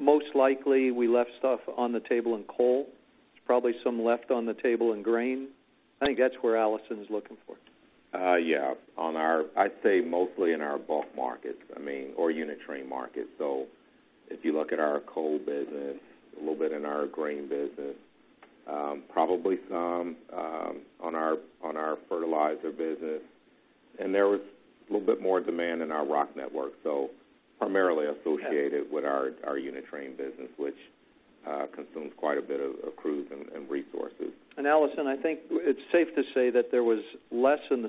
Speaker 2: Most likely, we left stuff on the table in coal, probably some left on the table in grain. I think that's where Allison's looking for.
Speaker 3: Yeah. I'd say mostly in our Bulk markets, I mean, or unit train markets. If you look at our coal business, a little bit in our grain business, probably some on our fertilizer business. There was a little bit more demand in our rock network, so primarily associated with our unit train business, which consumes quite a bit of crews and resources.
Speaker 2: Allison, I think it's safe to say that there was less in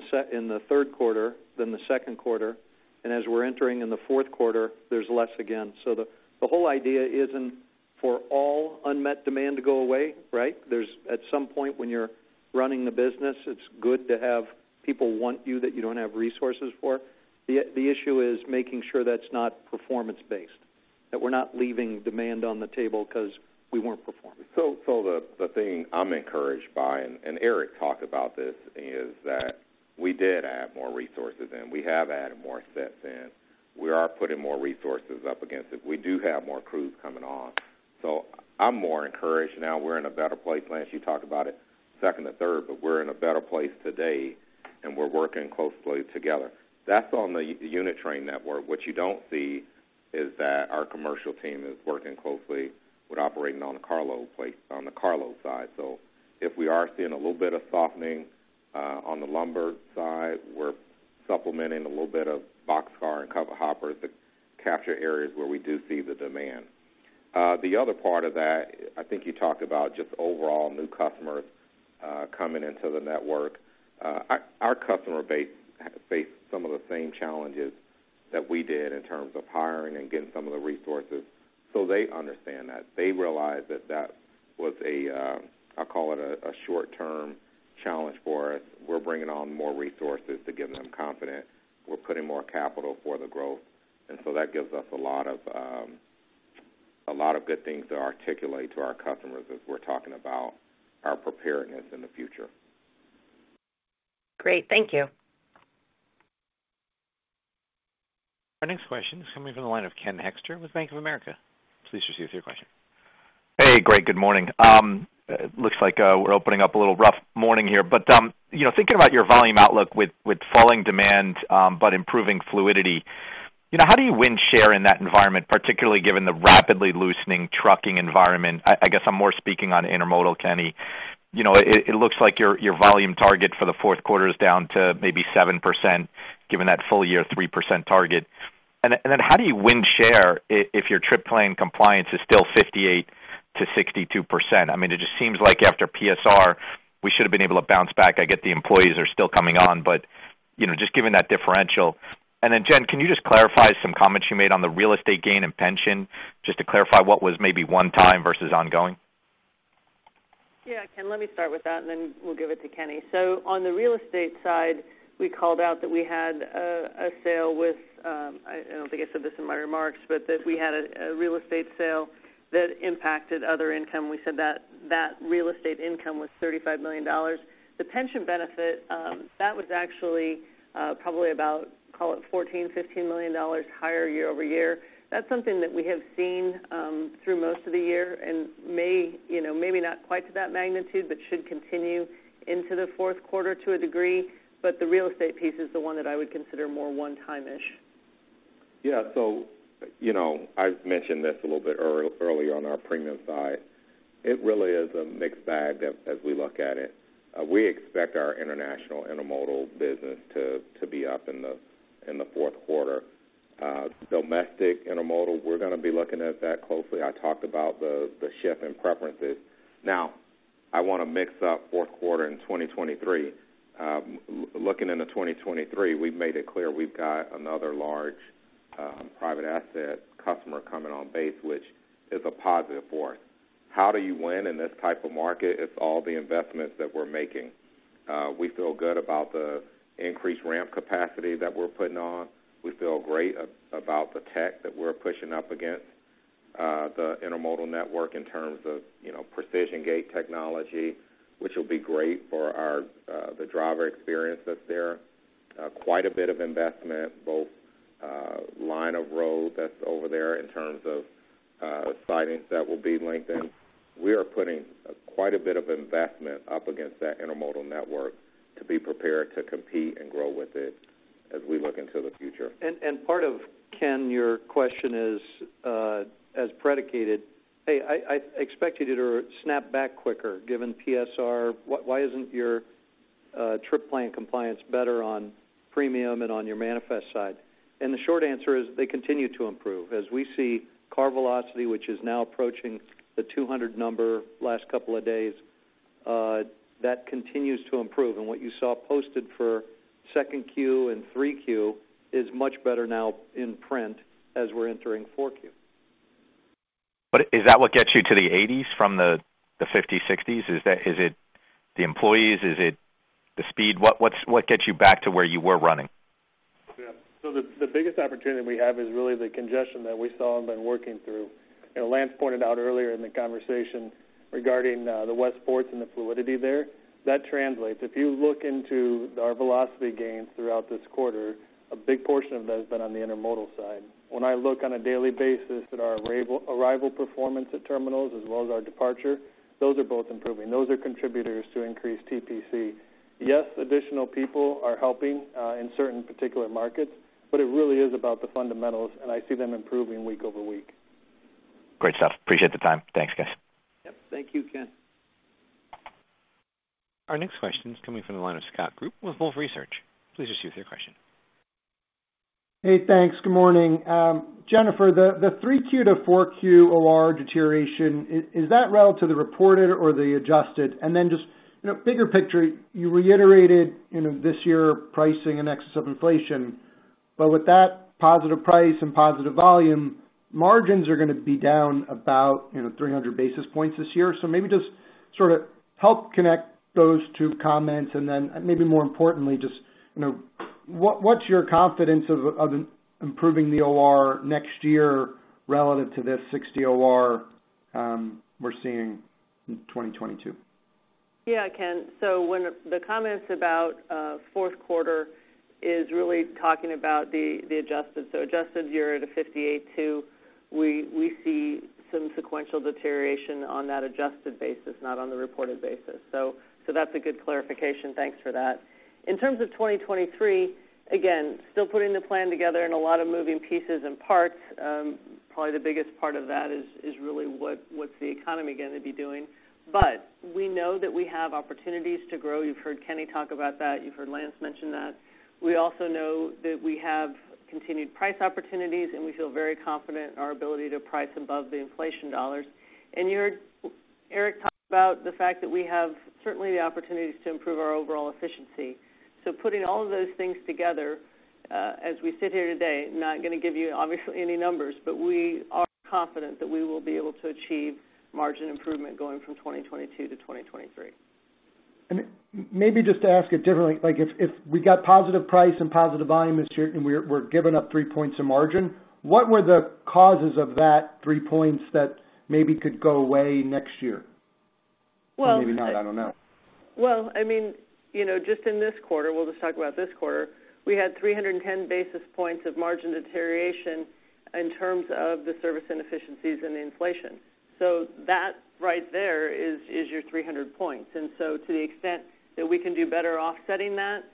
Speaker 2: the third quarter than the second quarter, and as we're entering in the fourth quarter, there's less again. The whole idea isn't for all unmet demand to go away, right? There's at some point when you're running the business, it's good to have people want you that you don't have resources for. The issue is making sure that's not performance based, that we're not leaving demand on the table 'cause we weren't performing.
Speaker 3: The thing I'm encouraged by, and Eric talked about this, is that we did add more resources in. We have added more sets in. We are putting more resources up against it. We do have more crews coming on. I'm more encouraged now. We're in a better place. Lance, you talked about it second to third, but we're in a better place today, and we're working closely together. That's on the unit train network. What you don't see is that our commercial team is working closely with operating on the carload side. If we are seeing a little bit of softening on the lumber side, we're supplementing a little bit of boxcar and covered hoppers to capture areas where we do see the demand. The other part of that, I think you talked about just overall new customers coming into the network. Our customer base faced some of the same challenges that we did in terms of hiring and getting some of the resources, so they understand that. They realize that that was a short-term challenge for us. We're bringing on more resources to give them confidence. We're putting more capital for the growth. That gives us a lot of good things to articulate to our customers as we're talking about our preparedness in the future.
Speaker 12: Great. Thank you.
Speaker 1: Our next question is coming from the line of Ken Hoexter with Bank of America. Please proceed with your question.
Speaker 13: Hey, great. Good morning. Looks like we're opening up a little rough morning here. You know, thinking about your volume outlook with falling demand but improving fluidity, you know, how do you win share in that environment, particularly given the rapidly loosening trucking environment? I guess I'm more speaking on intermodal, Kenny. You know, it looks like your volume target for the fourth quarter is down to maybe 7% given that full year 3% target. Then how do you win share if your trip plan compliance is still 58%-62%? I mean, it just seems like after PSR, we should have been able to bounce back. I get the employees are still coming on, but you know, just given that differential. Jen, can you just clarify some comments you made on the real estate gain and pension just to clarify what was maybe one time versus ongoing?
Speaker 5: Yeah, Ken, let me start with that, and then we'll give it to Kenny. On the real estate side, we called out that we had a sale with, I don't think I said this in my remarks, but that we had a real estate sale that impacted other income. We said that real estate income was $35 million. The pension benefit, that was actually probably about, call it $14 million-$15 million higher year-over-year. That's something that we have seen through most of the year and may, you know, maybe not quite to that magnitude, but should continue into the fourth quarter to a degree. The real estate piece is the one that I would consider more one-time-ish.
Speaker 3: Yeah. You know, I've mentioned this a little bit earlier on our Premium side. It really is a mixed bag as we look at it. We expect our International Intermodal business to be up in the fourth quarter. Domestic Intermodal, we're gonna be looking at that closely. I talked about the shift in preferences. Now, I wanna mix up fourth quarter and 2023. Looking into 2023, we've made it clear we've got another large private asset customer coming on base, which is a positive for us. How do you win in this type of market? It's all the investments that we're making. We feel good about the increased ramp capacity that we're putting on. We feel great about the tech that we're pushing up against the intermodal network in terms of, you know, precision gate technology, which will be great for the driver experience that's there. Quite a bit of investment, both line of road that's over there in terms of sidings that will be lengthened. We are putting quite a bit of investment up against that intermodal network to be prepared to compete and grow with it as we look into the future.
Speaker 2: Part of, Ken, your question is, as predicated, hey, I expected it to snap back quicker given PSR. Why isn't your trip plan compliance better on Premium and on your manifest side. The short answer is they continue to improve. As we see car velocity, which is now approaching the 200 number last couple of days, that continues to improve. What you saw posted for 2Q and 3Q is much better now in print as we're entering 4Q.
Speaker 13: Is that what gets you to the eighties from the fifties, sixties? Is that? Is it the employees? Is it the speed? What gets you back to where you were running?
Speaker 4: Yeah. The biggest opportunity we have is really the congestion that we saw and been working through. You know, Lance pointed out earlier in the conversation regarding the West ports and the fluidity there. That translates. If you look into our velocity gains throughout this quarter, a big portion of that has been on the intermodal side. When I look on a daily basis at our arrival performance at terminals as well as our departure, those are both improving. Those are contributors to increased TPC. Yes, additional people are helping in certain particular markets, but it really is about the fundamentals, and I see them improving week over week.
Speaker 13: Great stuff. Appreciate the time. Thanks, guys.
Speaker 2: Yep. Thank you, Ken.
Speaker 1: Our next question is coming from the line of Scott Group with Wolfe Research. Please proceed with your question.
Speaker 14: Hey, thanks. Good morning. Jennifer, the 3Q to 4Q OR deterioration, is that relative to the reported or the adjusted? And then just, you know, bigger picture, you reiterated, you know, this year pricing in excess of inflation. But with that positive price and positive volume, margins are gonna be down about, you know, 300 basis points this year. So maybe just sorta help connect those two comments. And then maybe more importantly, just, you know, what's your confidence of improving the OR next year relative to this 60 OR we're seeing in 2022?
Speaker 5: Yeah, Ken. When the comments about fourth quarter are really talking about the adjusted. Adjusted OR to 58.2%, we see some sequential deterioration on that adjusted basis, not on the reported basis. That's a good clarification. Thanks for that. In terms of 2023, again, still putting the plan together with a lot of moving pieces and parts. Probably the biggest part of that is really what's the economy gonna be doing. We know that we have opportunities to grow. You've heard Kenny talk about that. You've heard Lance mention that. We also know that we have continued price opportunities, and we feel very confident in our ability to price above the inflation dollars. You heard Eric talk about the fact that we have certainly the opportunities to improve our overall efficiency. Putting all of those things together, as we sit here today, not gonna give you, obviously, any numbers, but we are confident that we will be able to achieve margin improvement going from 2022 to 2023.
Speaker 14: Maybe just to ask it differently, like if we got positive price and positive volume this year and we're giving up three points of margin, what were the causes of that three points that maybe could go away next year?
Speaker 5: Well-
Speaker 14: Maybe not, I don't know.
Speaker 5: Well, I mean, you know, just in this quarter, we'll just talk about this quarter. We had 310 basis points of margin deterioration in terms of the service inefficiencies and the inflation. So that right there is your 300 points. To the extent that we can do better offsetting that,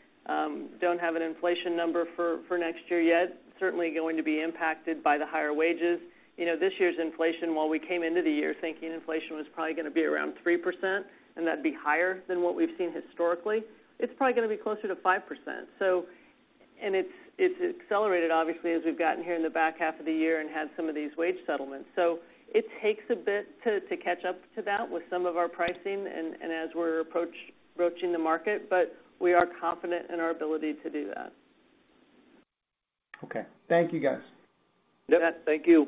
Speaker 5: don't have an inflation number for next year yet. Certainly going to be impacted by the higher wages. You know, this year's inflation, while we came into the year thinking inflation was probably gonna be around 3%, and that'd be higher than what we've seen historically, it's probably gonna be closer to 5%. And it's accelerated obviously, as we've gotten here in the back half of the year and had some of these wage settlements. It takes a bit to catch up to that with some of our pricing and as we're approaching the market, but we are confident in our ability to do that.
Speaker 14: Okay. Thank you, guys.
Speaker 2: Yep. Thank you.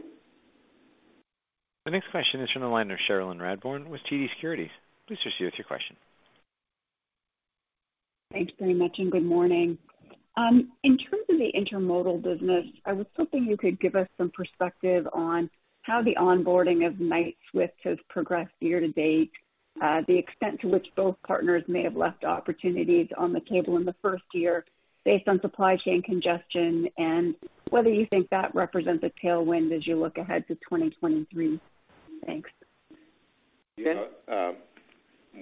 Speaker 1: The next question is from the line of Cherilyn Radbourne with TD Securities. Please proceed with your question.
Speaker 15: Thanks very much, and good morning. In terms of the intermodal business, I was hoping you could give us some perspective on how the onboarding of Knight-Swift has progressed year to date, the extent to which both partners may have left opportunities on the table in the first year based on supply chain congestion, and whether you think that represents a tailwind as you look ahead to 2023. Thanks.
Speaker 2: Ken?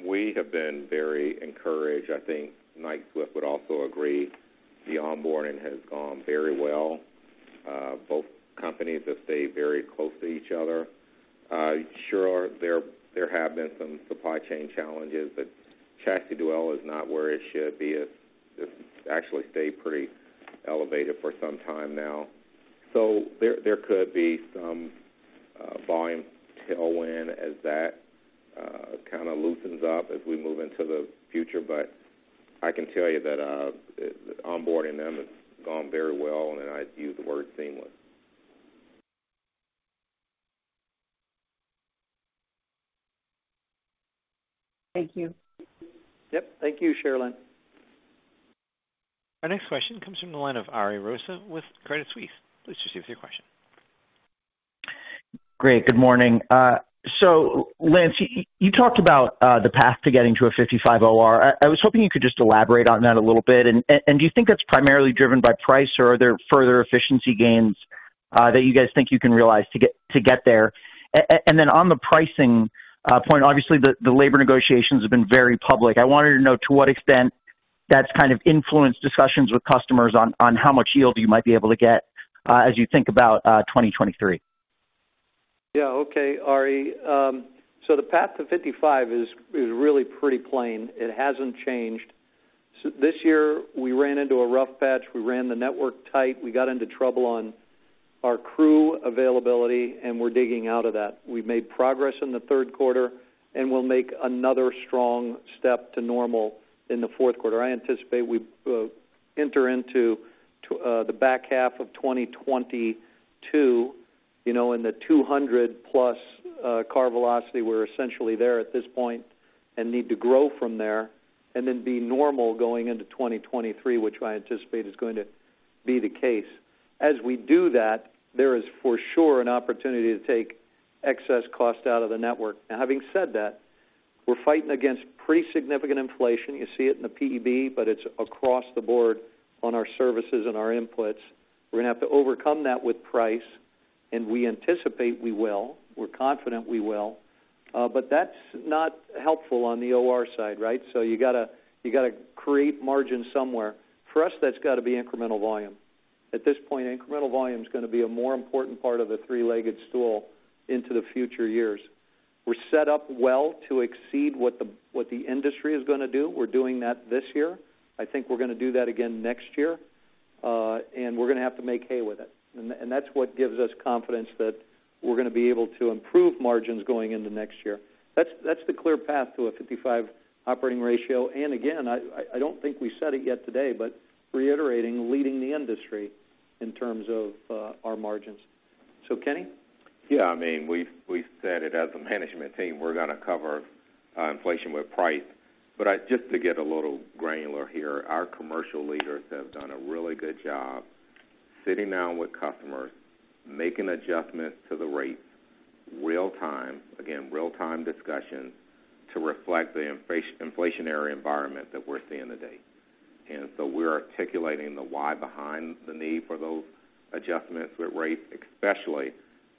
Speaker 3: We have been very encouraged. I think Knight-Swift would also agree the onboarding has gone very well. Both companies have stayed very close to each other. Sure, there have been some supply chain challenges, but chassis dwell is not where it should be. It's actually stayed pretty elevated for some time now. There could be some volume tailwind as that kinda loosens up as we move into the future. I can tell you that the onboarding has gone very well, and I'd use the word seamless.
Speaker 15: Thank you.
Speaker 2: Yep. Thank you, Cherilyn Radbourne.
Speaker 1: Our next question comes from the line of Ariel Rosa with Credit Suisse. Please proceed with your question.
Speaker 16: Great. Good morning. Lance, you talked about the path to getting to a 55 OR. I was hoping you could just elaborate on that a little bit. Do you think that's primarily driven by price, or are there further efficiency gains that you guys think you can realize to get there? Then on the pricing point, obviously the labor negotiations have been very public. I wanted to know to what extent that's kind of influenced discussions with customers on how much yield you might be able to get as you think about 2023.
Speaker 2: Yeah. Okay, Ari. The path to 55 is really pretty plain. It hasn't changed. This year we ran into a rough patch. We ran the network tight. We got into trouble on our crew availability, and we're digging out of that. We made progress in the third quarter, and we'll make another strong step to normal in the fourth quarter. I anticipate we enter into the back half of 2022, you know, in the 200+ car velocity. We're essentially there at this point and need to grow from there and then be normal going into 2023, which I anticipate is going to be the case. As we do that, there is for sure an opportunity to take excess cost out of the network. Now, having said that, we're fighting against pretty significant inflation. You see it in the PEB, but it's across the board on our services and our inputs. We're gonna have to overcome that with price, and we anticipate we will. We're confident we will. But that's not helpful on the OR side, right? You gotta create margin somewhere. For us, that's gotta be incremental volume. At this point, incremental volume is gonna be a more important part of the three-legged stool into the future years. We're set up well to exceed what the industry is gonna do. We're doing that this year. I think we're gonna do that again next year, and we're gonna have to make hay with it. That's what gives us confidence that we're gonna be able to improve margins going into next year. That's the clear path to a 55 operating ratio. I don't think we said it yet today, but reiterating leading the industry in terms of our margins. So, Kenny?
Speaker 3: Yeah, I mean, we've said it as a management team, we're gonna cover inflation with price. Just to get a little granular here, our commercial leaders have done a really good job sitting down with customers, making adjustments to the rates real time, again, real time discussions to reflect the inflationary environment that we're seeing today. We're articulating the why behind the need for those adjustments with rates, especially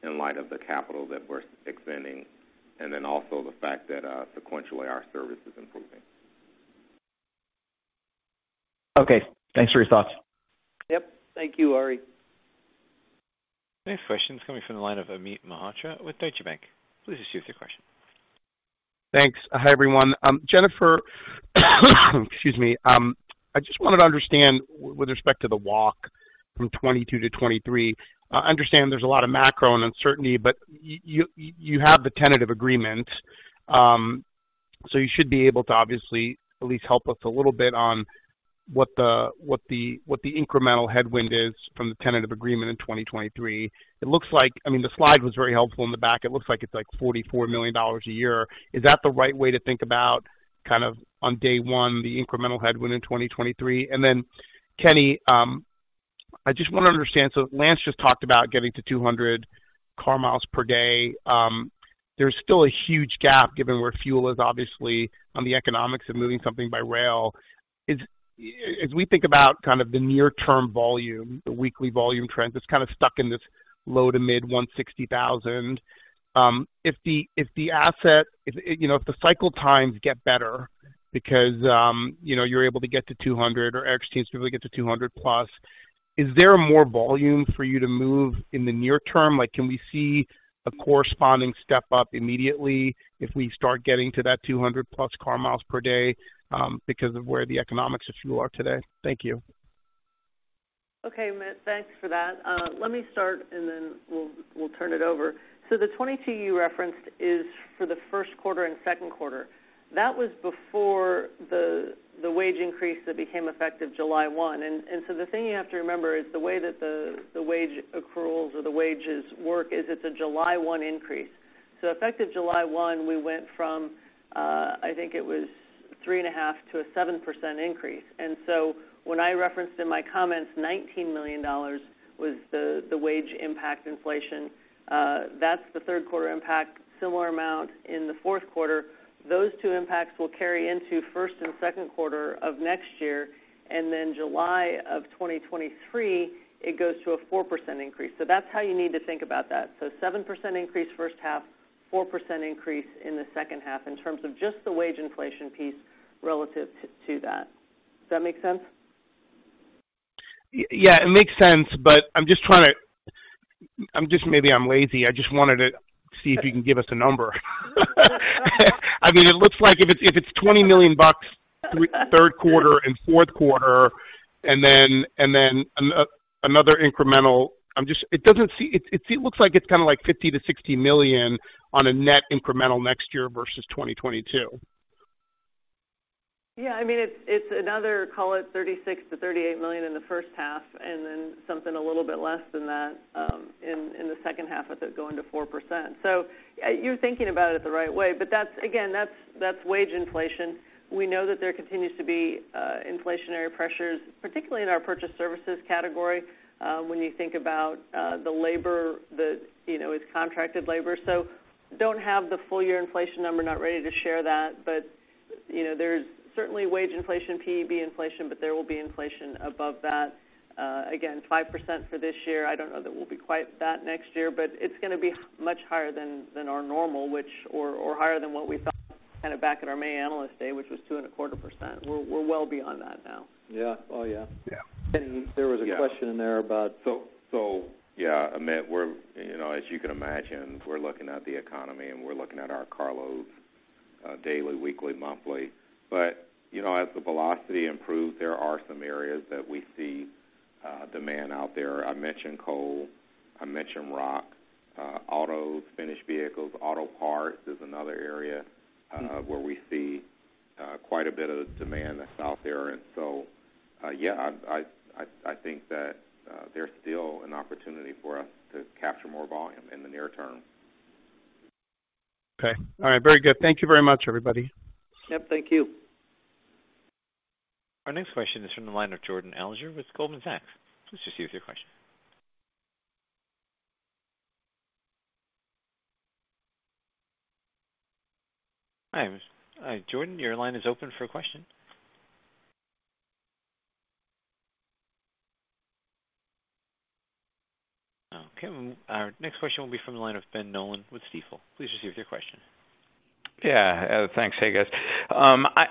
Speaker 3: in light of the capital that we're expending, and then also the fact that sequentially our service is improving.
Speaker 16: Okay. Thanks for your thoughts.
Speaker 2: Yep. Thank you, Ari.
Speaker 1: Next question's coming from the line of Amit Mehrotra with Deutsche Bank. Please proceed with your question.
Speaker 17: Thanks. Hi, everyone. Jennifer, excuse me. I just wanted to understand with respect to the walk from 2022 to 2023. I understand there's a lot of macro and uncertainty, but you have the tentative agreement, so you should be able to obviously at least help us a little bit on what the incremental headwind is from the tentative agreement in 2023. It looks like, I mean, the slide was very helpful in the back. It looks like it's, like, $44 million a year. Is that the right way to think about kind of on day one, the incremental headwind in 2023? Kenny, I just wanna understand. Lance just talked about getting to 200 car miles per day. There's still a huge gap given where fuel is obviously on the economics of moving something by rail. As we think about kind of the near term volume, the weekly volume trends, it's kind of stuck in this low to mid-160,000. If the asset, you know, if the cycle times get better because, you know, you're able to get to 200 or 80 teams to be able to get to 200+, is there more volume for you to move in the near term? Like, can we see a corresponding step up immediately if we start getting to that 200+ car miles per day, because of where the economics of fuel are today? Thank you.
Speaker 5: Okay, Amit, thanks for that. Let me start and then we'll turn it over. The 2022 you referenced is for the first quarter and second quarter. That was before the wage increase that became effective July 1. The thing you have to remember is the way that the wage accruals or the wages work is it's a July 1 increase. Effective July 1, we went from, I think it was 3.5% to a 7% increase. When I referenced in my comments, $19 million was the wage impact inflation, that's the third quarter impact, similar amount in the fourth quarter. Those two impacts will carry into first and second quarter of next year. July of 2023, it goes to a 4% increase. That's how you need to think about that. 7% increase first half, 4% increase in the second half in terms of just the wage inflation piece relative to that. Does that make sense?
Speaker 17: Yeah, it makes sense, but maybe I'm lazy. I just wanted to see if you can give us a number. I mean, it looks like if it's $20 million third quarter and fourth quarter and then another incremental. It looks like it's kinda like $50 million-$60 million on a net incremental next year versus 2022.
Speaker 5: Yeah. I mean, it's another call it $36 million-$38 million in the first half and then something a little bit less than that in the second half as it goes into 4%. You're thinking about it the right way, but that's, again, wage inflation. We know that there continues to be inflationary pressures, particularly in our purchased services category, when you think about the labor that, you know, is contracted labor. So don't have the full year inflation number, not ready to share that. But, you know, there's certainly wage inflation, PEB inflation, but there will be inflation above that. Again, 5% for this year. I don't know that we'll be quite that next year, but it's gonna be much higher than Than our normal or higher than what we thought kind of back at our May analyst day, which was 2.25%. We're well beyond that now.
Speaker 2: Yeah. Oh, yeah.
Speaker 3: Yeah.
Speaker 2: There was a question in there about.
Speaker 3: Yeah, Amit, we're, you know, as you can imagine, we're looking at the economy, and we're looking at our carloads daily, weekly, monthly. You know, as the velocity improves, there are some areas that we see demand out there. I mentioned coal, I mentioned rock, autos, finished vehicles. Auto parts is another area where we see quite a bit of demand that's out there. Yeah, I think that there's still an opportunity for us to capture more volume in the near term.
Speaker 17: Okay. All right. Very good. Thank you very much, everybody.
Speaker 2: Yep, thank you.
Speaker 1: Our next question is from the line of Jordan Alliger with Goldman Sachs. Please just use your question. Hi, Jordan, your line is open for a question. Okay, our next question will be from the line of Ben Nolan with Stifel. Please just give us your question.
Speaker 18: Yeah. Thanks. Hey, guys.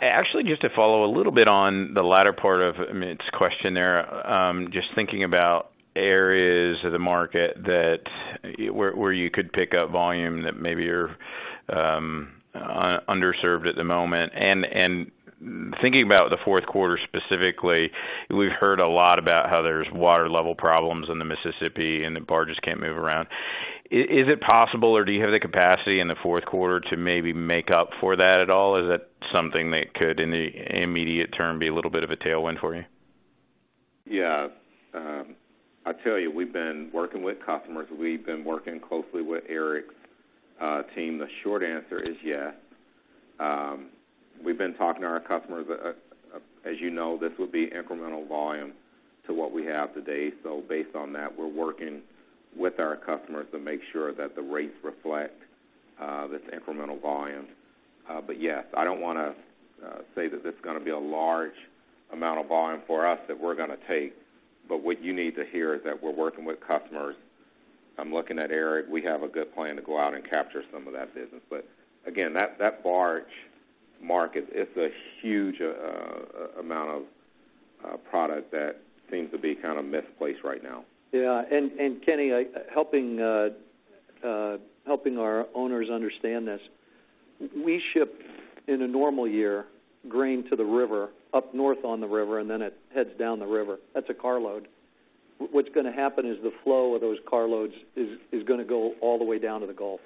Speaker 18: Actually, just to follow a little bit on the latter part of Amit's question there, just thinking about areas of the market where you could pick up volume that maybe you're underserved at the moment. Thinking about the fourth quarter specifically, we've heard a lot about how there's water level problems in the Mississippi and the barges can't move around. Is it possible or do you have the capacity in the fourth quarter to maybe make up for that at all? Is that something that could in the immediate term be a little bit of a tailwind for you?
Speaker 3: Yeah. I tell you, we've been working with customers. We've been working closely with Eric's team. The short answer is yes. We've been talking to our customers. As you know, this would be incremental volume to what we have today. Based on that, we're working with our customers to make sure that the rates reflect this incremental volume. Yes, I don't wanna say that this is gonna be a large amount of volume for us that we're gonna take, but what you need to hear is that we're working with customers. I'm looking at Eric. We have a good plan to go out and capture some of that business. Again, that barge market is a huge amount of product that seems to be kind of misplaced right now.
Speaker 2: Yeah. Kenny, helping our owners understand this, we ship in a normal year grain to the river up north on the river, and then it heads down the river. That's a carload. What's gonna happen is the flow of those carloads is gonna go all the way down to the Gulf.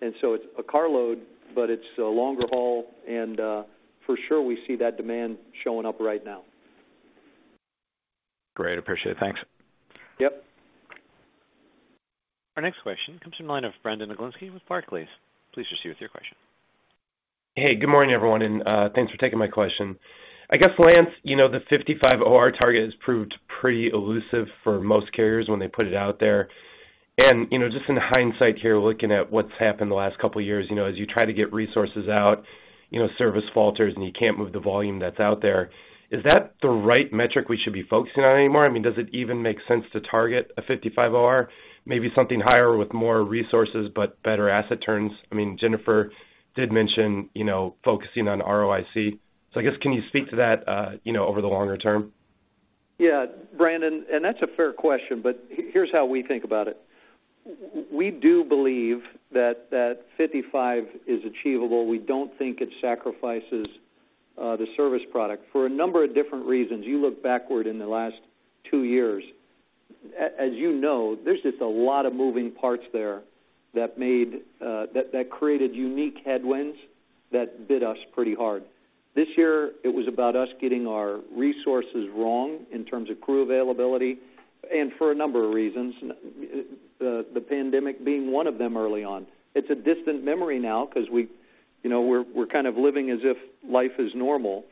Speaker 2: It's a carload, but it's a longer haul, and for sure, we see that demand showing up right now.
Speaker 18: Great. Appreciate it. Thanks.
Speaker 2: Yep.
Speaker 1: Our next question comes from the line of Brandon Oglenski with Barclays. Please proceed with your question.
Speaker 19: Hey, good morning, everyone, and thanks for taking my question. I guess, Lance, you know, the 55 OR target has proved pretty elusive for most carriers when they put it out there. You know, just in hindsight here, looking at what's happened the last couple of years, you know, as you try to get resources out, you know, service falters, and you can't move the volume that's out there. Is that the right metric we should be focusing on anymore? I mean, does it even make sense to target a 55 OR? Maybe something higher with more resources, but better asset turns. I mean, Jennifer did mention, you know, focusing on ROIC. I guess, can you speak to that, you know, over the longer term?
Speaker 2: Yeah, Brandon, that's a fair question, but here's how we think about it. We do believe that 55 is achievable. We don't think it sacrifices the service product for a number of different reasons. You look backward in the last two years, as you know, there's just a lot of moving parts there that made that created unique headwinds that bit us pretty hard. This year, it was about us getting our resources wrong in terms of crew availability and for a number of reasons, the pandemic being one of them early on. It's a distant memory now because we, you know, we're kind of living as if life is normal.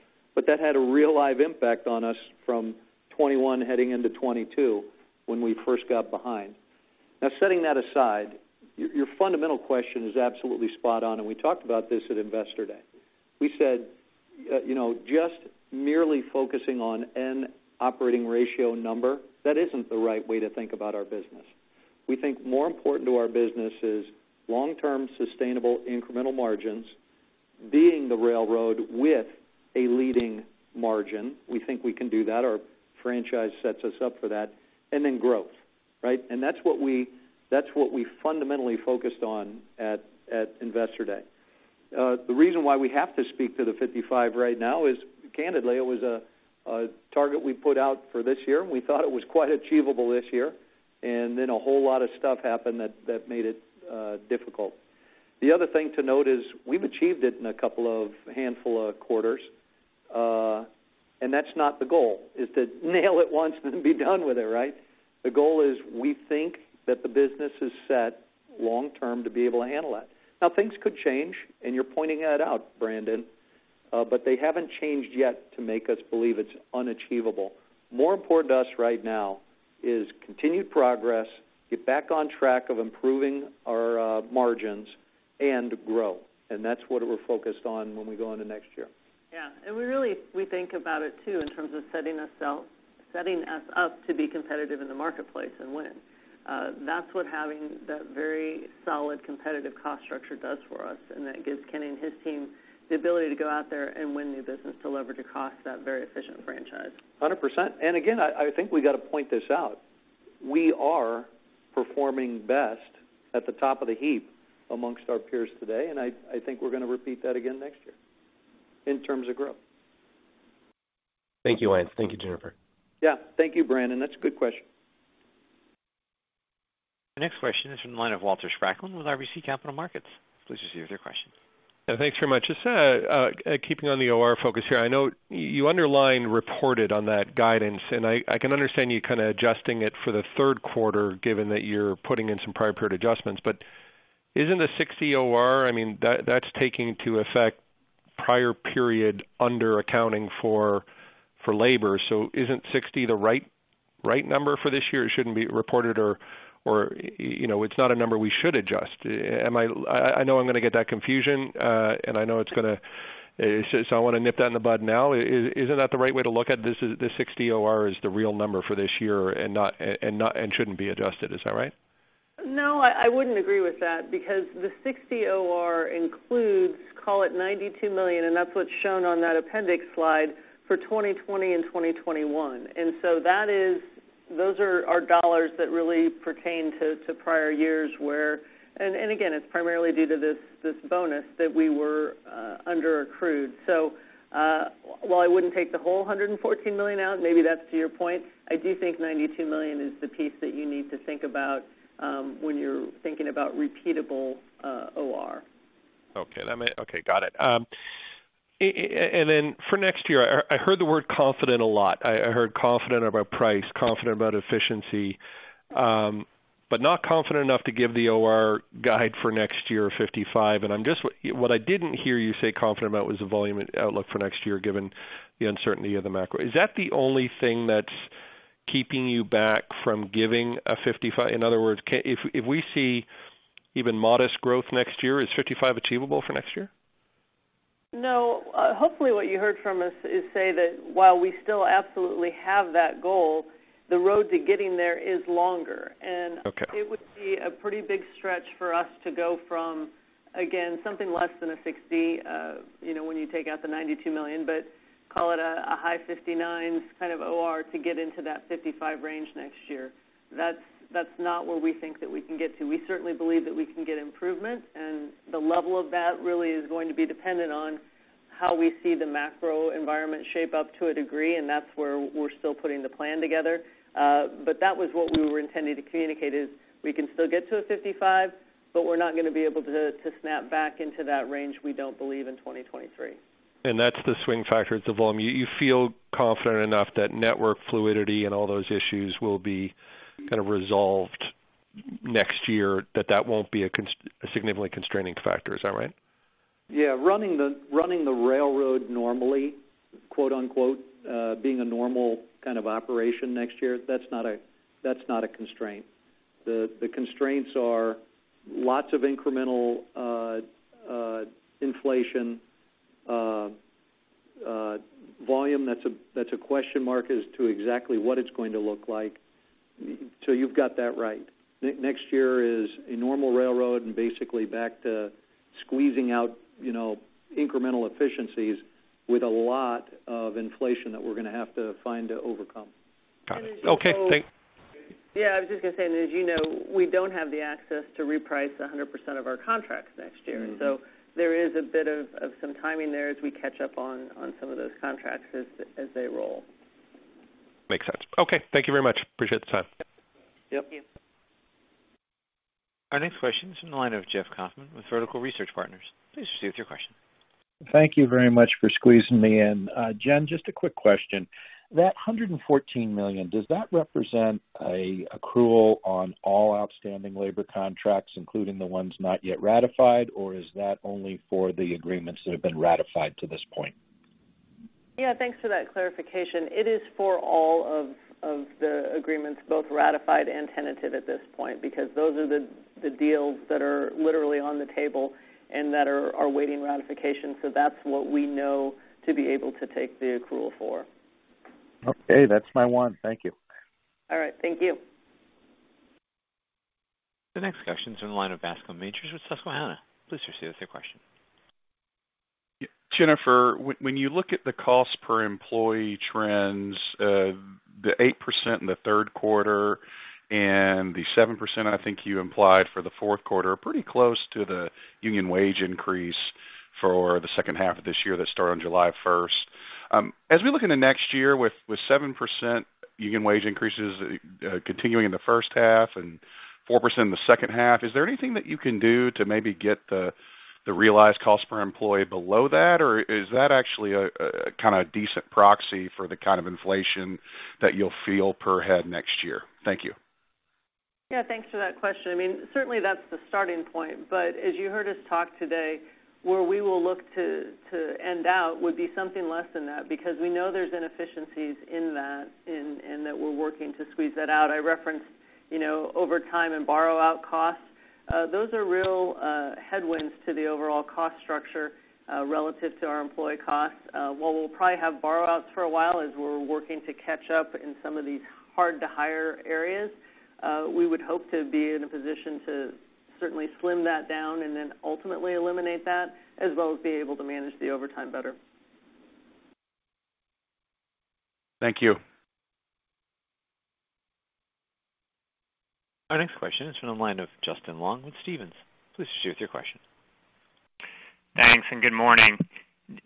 Speaker 2: That had a real live impact on us from 2021 heading into 2022 when we first got behind. Now, setting that aside, your fundamental question is absolutely spot on, and we talked about this at Investor Day. We said, you know, just merely focusing on an operating ratio number, that isn't the right way to think about our business. We think more important to our business is long-term sustainable incremental margins, being the railroad with a leading margin. We think we can do that. Our franchise sets us up for that. Growth, right? That's what we fundamentally focused on at Investor Day. The reason why we have to speak to the 55% right now is, candidly, it was a target we put out for this year, and we thought it was quite achievable this year. A whole lot of stuff happened that made it difficult. The other thing to note is we've achieved it in a couple of handful of quarters, and that's not the goal, is to nail it once and then be done with it, right? The goal is we think that the business is set long-term to be able to handle that. Now, things could change, and you're pointing that out, Brandon, but they haven't changed yet to make us believe it's unachievable. More important to us right now is continued progress, get back on track of improving our margins and grow. That's what we're focused on when we go into next year.
Speaker 5: We think about it too in terms of setting us up to be competitive in the marketplace and win. That's what having that very solid competitive cost structure does for us, and that gives Kenny and his team the ability to go out there and win new business to leverage a cost, that very efficient franchise.
Speaker 2: 100%. Again, I think we got to point this out. We are performing best at the top of the heap amongst our peers today, and I think we're gonna repeat that again next year in terms of growth.
Speaker 19: Thank you, Lance. Thank you, Jennifer.
Speaker 2: Yeah. Thank you, Brandon. That's a good question.
Speaker 1: The next question is from the line of Walter Spracklin with RBC Capital Markets. Please proceed with your question.
Speaker 20: Yeah, thanks very much. Just keeping on the OR focus here. I know you underlined reported on that guidance, and I can understand you kind of adjusting it for the third quarter, given that you're putting in some prior period adjustments. Isn't the 60 OR, I mean, that's taking into account prior period underaccruals for labor. Isn't 60 the right number for this year? It shouldn't be reported, you know, it's not a number we should adjust. I know I'm gonna get that confusion, and I wanna nip that in the bud now. Is that the right way to look at this, the 60 OR is the real number for this year and shouldn't be adjusted. Is that right?
Speaker 5: No, I wouldn't agree with that because the 60 OR includes, call it $92 million, and that's what's shown on that appendix slide for 2020 and 2021. That is those are our dollars that really pertain to prior years. Again, it's primarily due to this bonus that we were underaccrued. While I wouldn't take the whole $114 million out, maybe that's to your point, I do think $92 million is the piece that you need to think about when you're thinking about repeatable OR.
Speaker 20: Okay, got it. For next year, I heard the word confident a lot. I heard confident about price, confident about efficiency, but not confident enough to give the OR guide for next year 55. What I didn't hear you say confident about was the volume outlook for next year, given the uncertainty of the macro. Is that the only thing that's keeping you back from giving a 55? In other words, if we see even modest growth next year, is 55 achievable for next year?
Speaker 5: No. Hopefully, what you heard from us is, say, that while we still absolutely have that goal, the road to getting there is longer.
Speaker 20: Okay.
Speaker 5: It would be a pretty big stretch for us to go from, again, something less than a 60%, you know, when you take out the $92 million, but call it a high 59% kind of OR to get into that 55% range next year. That's not where we think that we can get to. We certainly believe that we can get improvements, and the level of that really is going to be dependent on how we see the macro environment shape up to a degree, and that's where we're still putting the plan together. That was what we were intending to communicate is we can still get to a 55%, but we're not gonna be able to snap back into that range, we don't believe in 2023.
Speaker 20: That's the swing factor, it's the volume. You feel confident enough that network fluidity and all those issues will be kind of resolved next year, that that won't be a significantly constraining factor. Is that right?
Speaker 2: Yeah. Running the railroad normally, quote-unquote, being a normal kind of operation next year, that's not a constraint. The constraints are lots of incremental inflation, volume that's a question mark as to exactly what it's going to look like. You've got that right. Next year is a normal railroad and basically back to squeezing out, you know, incremental efficiencies with a lot of inflation that we're gonna have to find to overcome.
Speaker 20: Got it. Okay, thanks.
Speaker 5: Yeah, I was just gonna say, and as you know, we don't have the access to reprice 100% of our contracts next year.
Speaker 20: Mm-hmm.
Speaker 5: There is a bit of some timing there as we catch up on some of those contracts as they roll.
Speaker 20: Makes sense. Okay, thank you very much. Appreciate the time.
Speaker 2: Yep.
Speaker 5: Thank you.
Speaker 1: Our next question is from the line of Jeff Kauffman with Vertical Research Partners. Please proceed with your question.
Speaker 21: Thank you very much for squeezing me in. Jen, just a quick question. That $114 million, does that represent an accrual on all outstanding labor contracts, including the ones not yet ratified, or is that only for the agreements that have been ratified to this point?
Speaker 5: Yeah, thanks for that clarification. It is for all of the agreements, both ratified and tentative at this point, because those are the deals that are literally on the table and that are waiting ratification. That's what we know to be able to take the accrual for.
Speaker 21: Okay, that's my one. Thank you.
Speaker 5: All right. Thank you.
Speaker 1: The next question is in the line of Bascome Majors with Susquehanna. Please proceed with your question.
Speaker 22: Jennifer, when you look at the cost per employee trends, the 8% in the third quarter and the 7%, I think you implied for the fourth quarter, pretty close to the union wage increase for the second half of this year that started on July first. As we look into next year with 7% union wage increases continuing in the first half and 4% in the second half, is there anything that you can do to maybe get the realized cost per employee below that? Or is that actually a kind of decent proxy for the kind of inflation that you'll feel per head next year? Thank you.
Speaker 5: Yeah, thanks for that question. I mean, certainly that's the starting point. As you heard us talk today, where we will look to end out would be something less than that, because we know there's inefficiencies in that, and that we're working to squeeze that out. I referenced, you know, overtime and borrow out costs. Those are real headwinds to the overall cost structure relative to our employee costs. While we'll probably have borrow outs for a while as we're working to catch up in some of these hard to hire areas, we would hope to be in a position to certainly slim that down and then ultimately eliminate that, as well as be able to manage the overtime better.
Speaker 22: Thank you.
Speaker 1: Our next question is from the line of Justin Long with Stephens. Please proceed with your question.
Speaker 23: Thanks and good morning.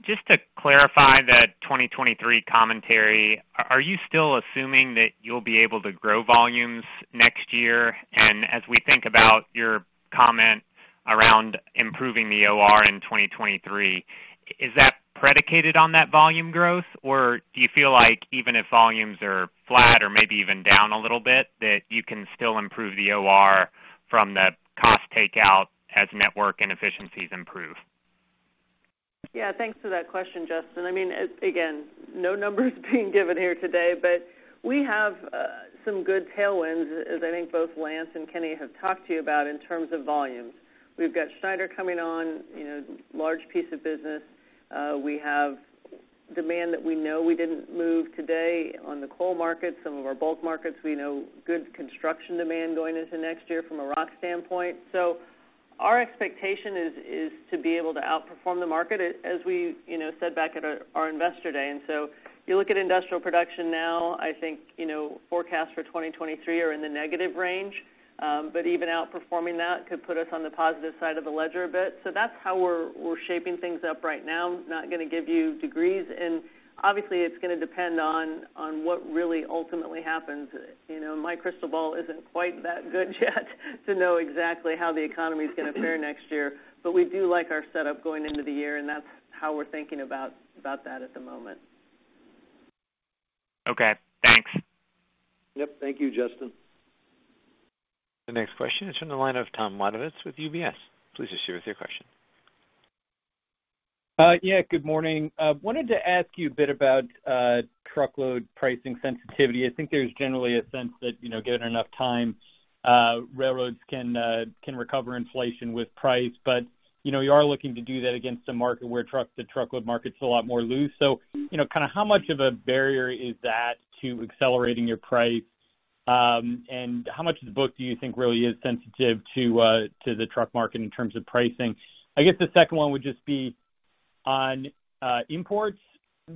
Speaker 23: Just to clarify that 2023 commentary, are you still assuming that you'll be able to grow volumes next year? As we think about your comment around improving the OR in 2023, is that predicated on that volume growth? Do you feel like even if volumes are flat or maybe even down a little bit, that you can still improve the OR from the cost takeout as network inefficiencies improve?
Speaker 5: Yeah, thanks for that question, Justin. I mean, again, no numbers being given here today, but we have some good tailwinds, as I think both Lance and Kenny have talked to you about in terms of volumes. We've got Schneider coming on, you know, large piece of business. We have demand that we know we didn't move today on the coal market, some of our Bulk markets. We know good construction demand going into next year from a rock standpoint. Our expectation is to be able to outperform the market, as we, you know, said back at our Investor Day. If you look at Industrial production now, I think, you know, forecasts for 2023 are in the negative range. But even outperforming that could put us on the positive side of the ledger a bit. That's how we're shaping things up right now. Not gonna give you degrees. Obviously, it's gonna depend on what really ultimately happens. You know, my crystal ball isn't quite that good yet to know exactly how the economy is gonna fare next year. We do like our setup going into the year, and that's how we're thinking about that at the moment.
Speaker 23: Okay, thanks.
Speaker 5: Yep. Thank you, Justin.
Speaker 1: The next question is from the line of Tom Wadewitz with UBS. Please proceed with your question.
Speaker 24: Yeah, good morning. Wanted to ask you a bit about truckload pricing sensitivity. I think there's generally a sense that, you know, given enough time, railroads can recover inflation with price. You know, you are looking to do that against a market where trucks, the truckload market's a lot more loose. You know, kind of how much of a barrier is that to accelerating your price? How much of the book do you think really is sensitive to the truck market in terms of pricing? I guess the second one would just be on imports.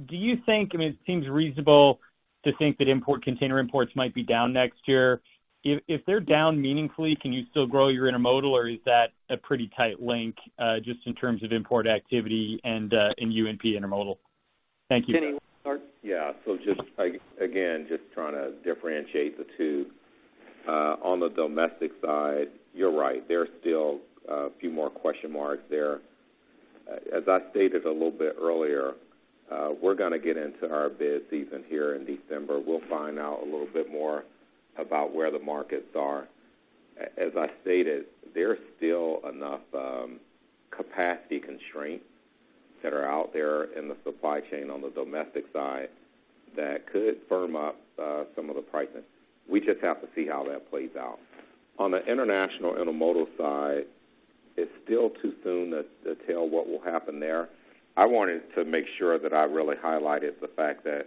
Speaker 24: Do you think? I mean, it seems reasonable to think that import, container imports might be down next year. If they're down meaningfully, can you still grow your intermodal, or is that a pretty tight link, just in terms of import activity and in UNP Intermodal? Thank you.
Speaker 5: Kenny, you wanna start?
Speaker 3: Just, again, trying to differentiate the two. On the domestic side, you're right. There are still a few more question marks there. As I stated a little bit earlier, we're gonna get into our bid season here in December. We'll find out a little bit more about where the markets are. As I stated, there's still enough capacity constraints that are out there in the supply chain on the domestic side that could firm up some of the pricing. We just have to see how that plays out. On the International Intermodal side, it's still too soon to tell what will happen there. I wanted to make sure that I really highlighted the fact that,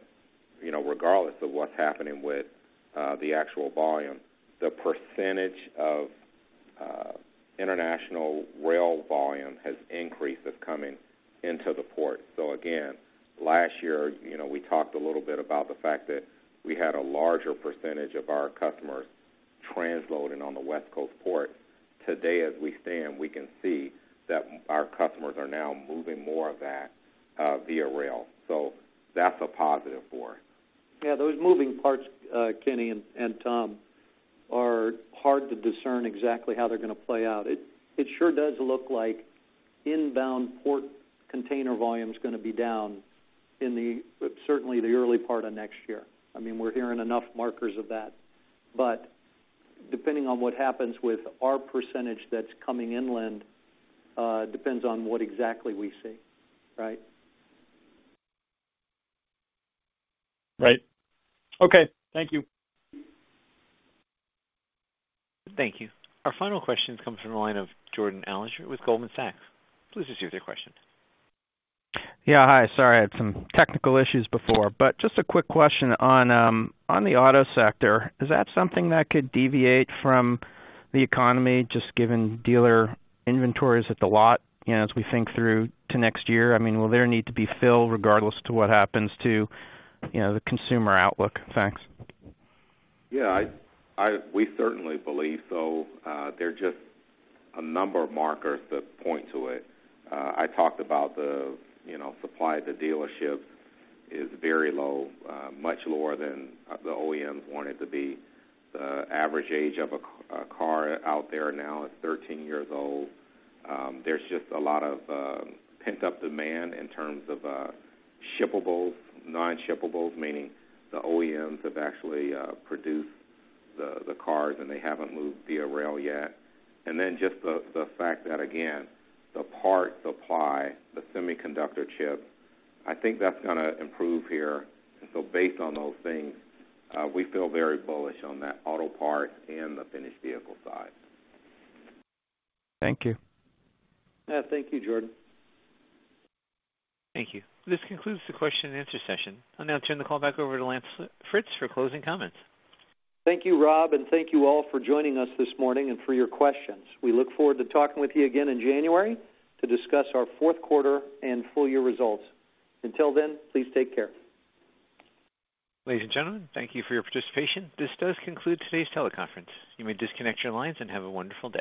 Speaker 3: you know, regardless of what's happening with the actual volume, the percentage of international rail volume has increased that's coming into the port. Again, last year, you know, we talked a little bit about the fact that we had a larger percentage of our customers transloading on the West Coast port. Today, as we stand, we can see that our customers are now moving more of that via rail. That's a positive for us.
Speaker 2: Yeah, those moving parts, Kenny and Tom, are hard to discern exactly how they're gonna play out. It sure does look like inbound port container volume is gonna be down, certainly in the early part of next year. I mean, we're hearing enough markers of that. Depending on what happens with our percentage that's coming inland, depends on what exactly we see, right?
Speaker 24: Right. Okay, thank you.
Speaker 1: Thank you. Our final question comes from the line of Jordan Alliger with Goldman Sachs. Please proceed with your question.
Speaker 25: Yeah. Hi. Sorry, I had some technical issues before. Just a quick question on the auto sector, is that something that could deviate from the economy, just given dealer inventories at the lot, you know, as we think through to next year? I mean, will there need to be fill regardless to what happens to, you know, the consumer outlook? Thanks.
Speaker 3: Yeah. We certainly believe so. There are just a number of markers that point to it. I talked about the, you know, supply at the dealership is very low, much lower than the OEMs want it to be. The average age of a car out there now is 13 years old. There's just a lot of pent-up demand in terms of shippables, non-shippables, meaning the OEMs have actually produced the cars and they haven't moved via rail yet. Then just the fact that, again, the part supply, the semiconductor chip, I think that's gonna improve here. Based on those things, we feel very bullish on that auto part and the finished vehicle side.
Speaker 25: Thank you.
Speaker 2: Yeah. Thank you, Jordan.
Speaker 1: Thank you. This concludes the question and answer session. I'll now turn the call back over to Lance Fritz for closing comments.
Speaker 2: Thank you, Rob, and thank you all for joining us this morning and for your questions. We look forward to talking with you again in January to discuss our fourth quarter and full year results. Until then, please take care.
Speaker 1: Ladies and gentlemen, thank you for your participation. This does conclude today's teleconference. You may disconnect your lines and have a wonderful day.